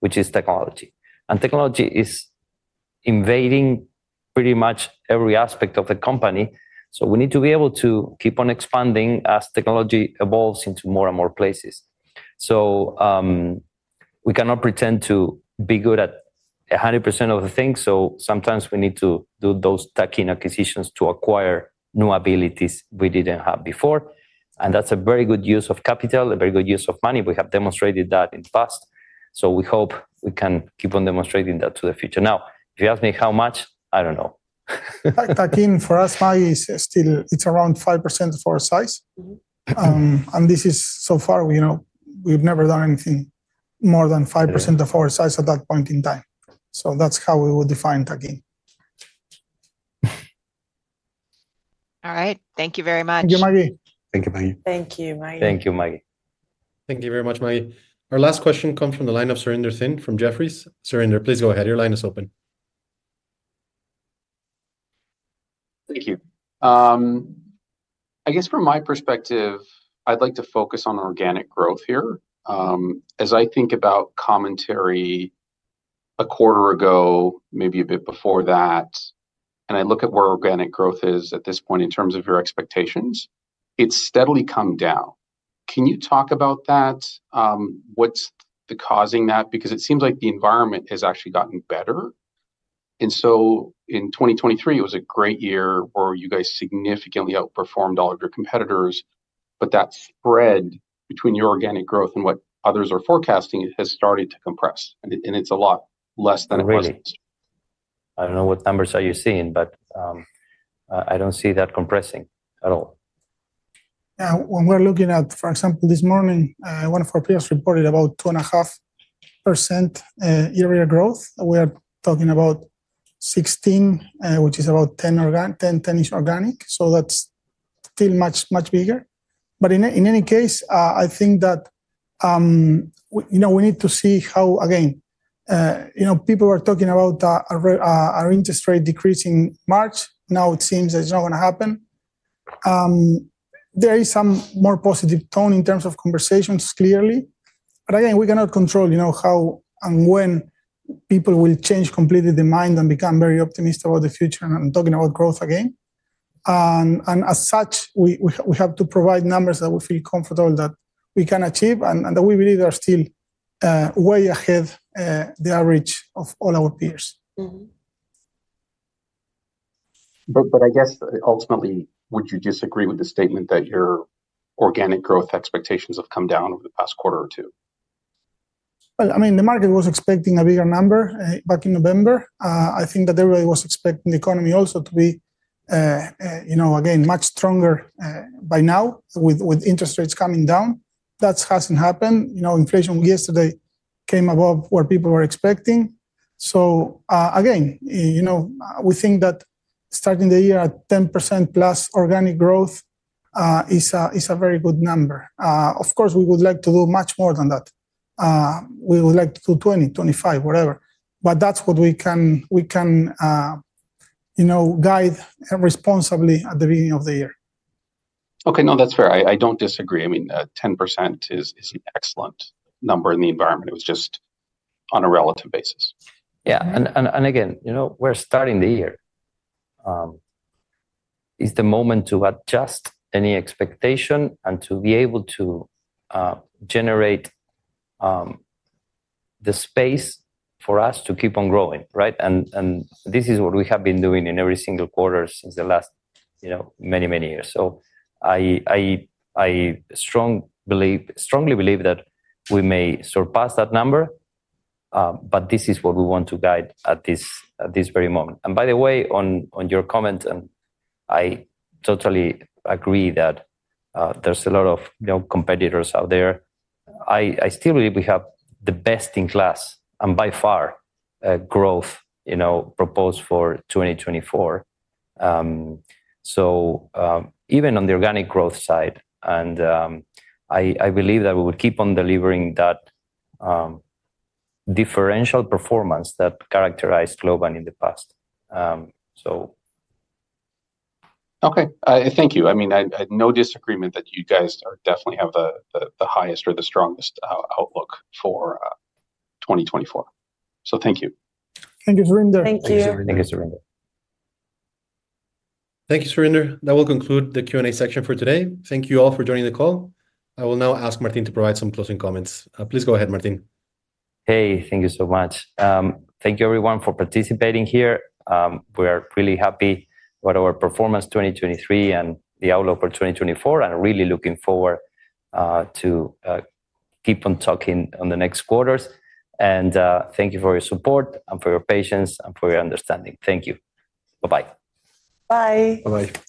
which is technology. And technology is invading pretty much every aspect of the company, so we need to be able to keep on expanding as technology evolves into more and more places. So, we cannot pretend to be good at 100% of the things, so sometimes we need to do those tuck-in acquisitions to acquire new abilities we didn't have before, and that's a very good use of capital, a very good use of money. We have demonstrated that in the past, so we hope we can keep on demonstrating that to the future. Now, if you ask me how much, I don't know. Tuck-in for us, Maggie, is still. It's around 5% of our size. Mm-hmm. This is so far, you know, we've never done anything more than 5%- Yeah of our size at that point in time. So that's how we would define tuck-in. All right. Thank you very much. Thank you, Maggie. Thank you, Maggie. Thank you, Maggie. Thank you, Maggie. Thank you very much, Maggie. Our last question comes from the line of Surinder Thind from Jefferies. Surinder, please go ahead. Your line is open. Thank you. I guess from my perspective, I'd like to focus on organic growth here. As I think about commentary a quarter ago, maybe a bit before that, and I look at where organic growth is at this point in terms of your expectations, it's steadily come down. Can you talk about that? What's causing that? Because it seems like the environment has actually gotten better. And so in 2023, it was a great year, where you guys significantly outperformed all of your competitors, but that spread between your organic growth and what others are forecasting has started to compress, and it, and it's a lot less than it was. Really? I don't know what numbers are you seeing, but I don't see that compressing at all. Yeah. When we're looking at, for example, this morning, one of our peers reported about 2.5% area growth. We are talking about 16, which is about 10 organic - ten, 10-ish organic, so that's still much, much bigger. But in any case, I think that, we, you know, we need to see how, again, you know, people are talking about, our, our interest rate decreasing March. Now, it seems it's not gonna happen. There is some more positive tone in terms of conversations, clearly, but again, we cannot control, you know, how and when people will change completely their mind and become very optimistic about the future and talking about growth again. As such, we have to provide numbers that we feel comfortable that we can achieve and that we believe are still way ahead the average of all our peers. Mm-hmm. But, I guess ultimately, would you disagree with the statement that your organic growth expectations have come down over the past quarter or two? Well, I mean, the market was expecting a bigger number back in November. I think that everybody was expecting the economy also to be, you know, again, much stronger by now with interest rates coming down. That hasn't happened. You know, inflation yesterday came above what people were expecting. So, again, you know, we think that starting the year at 10%+ organic growth is a very good number. Of course, we would like to do much more than that. We would like to do 2025, whatever, but that's what we can guide responsibly at the beginning of the year. Okay. No, that's fair. I don't disagree. I mean, 10% is an excellent number in the environment. It was just on a relative basis. Yeah, and again, you know, we're starting the year. It's the moment to adjust any expectation and to be able to generate the space for us to keep on growing, right? And this is what we have been doing in every single quarter since the last, you know, many, many years. So I strongly believe that we may surpass that number, but this is what we want to guide at this very moment. And by the way, on your comment, and I totally agree that there's a lot of, you know, competitors out there. I still believe we have the best-in-class, and by far growth, you know, proposed for 2024. So, even on the organic growth side, and, I believe that we will keep on delivering that differential performance that characterized Globant in the past. So. Okay. Thank you. I mean, I had no disagreement that you guys are definitely have the highest or the strongest outlook for 2024. So thank you. Thank you, Surinder. Thank you. Thank you, Surinder. Thank you, Surinder. That will conclude the Q&A section for today. Thank you all for joining the call. I will now ask Martin to provide some closing comments. Please go ahead, Martin. Hey, thank you so much. Thank you everyone for participating here. We are really happy about our performance in 2023 and the outlook for 2024, and really looking forward to keep on talking on the next quarters. And thank you for your support and for your patience and for your understanding. Thank you. Bye-bye. Bye. Bye-bye.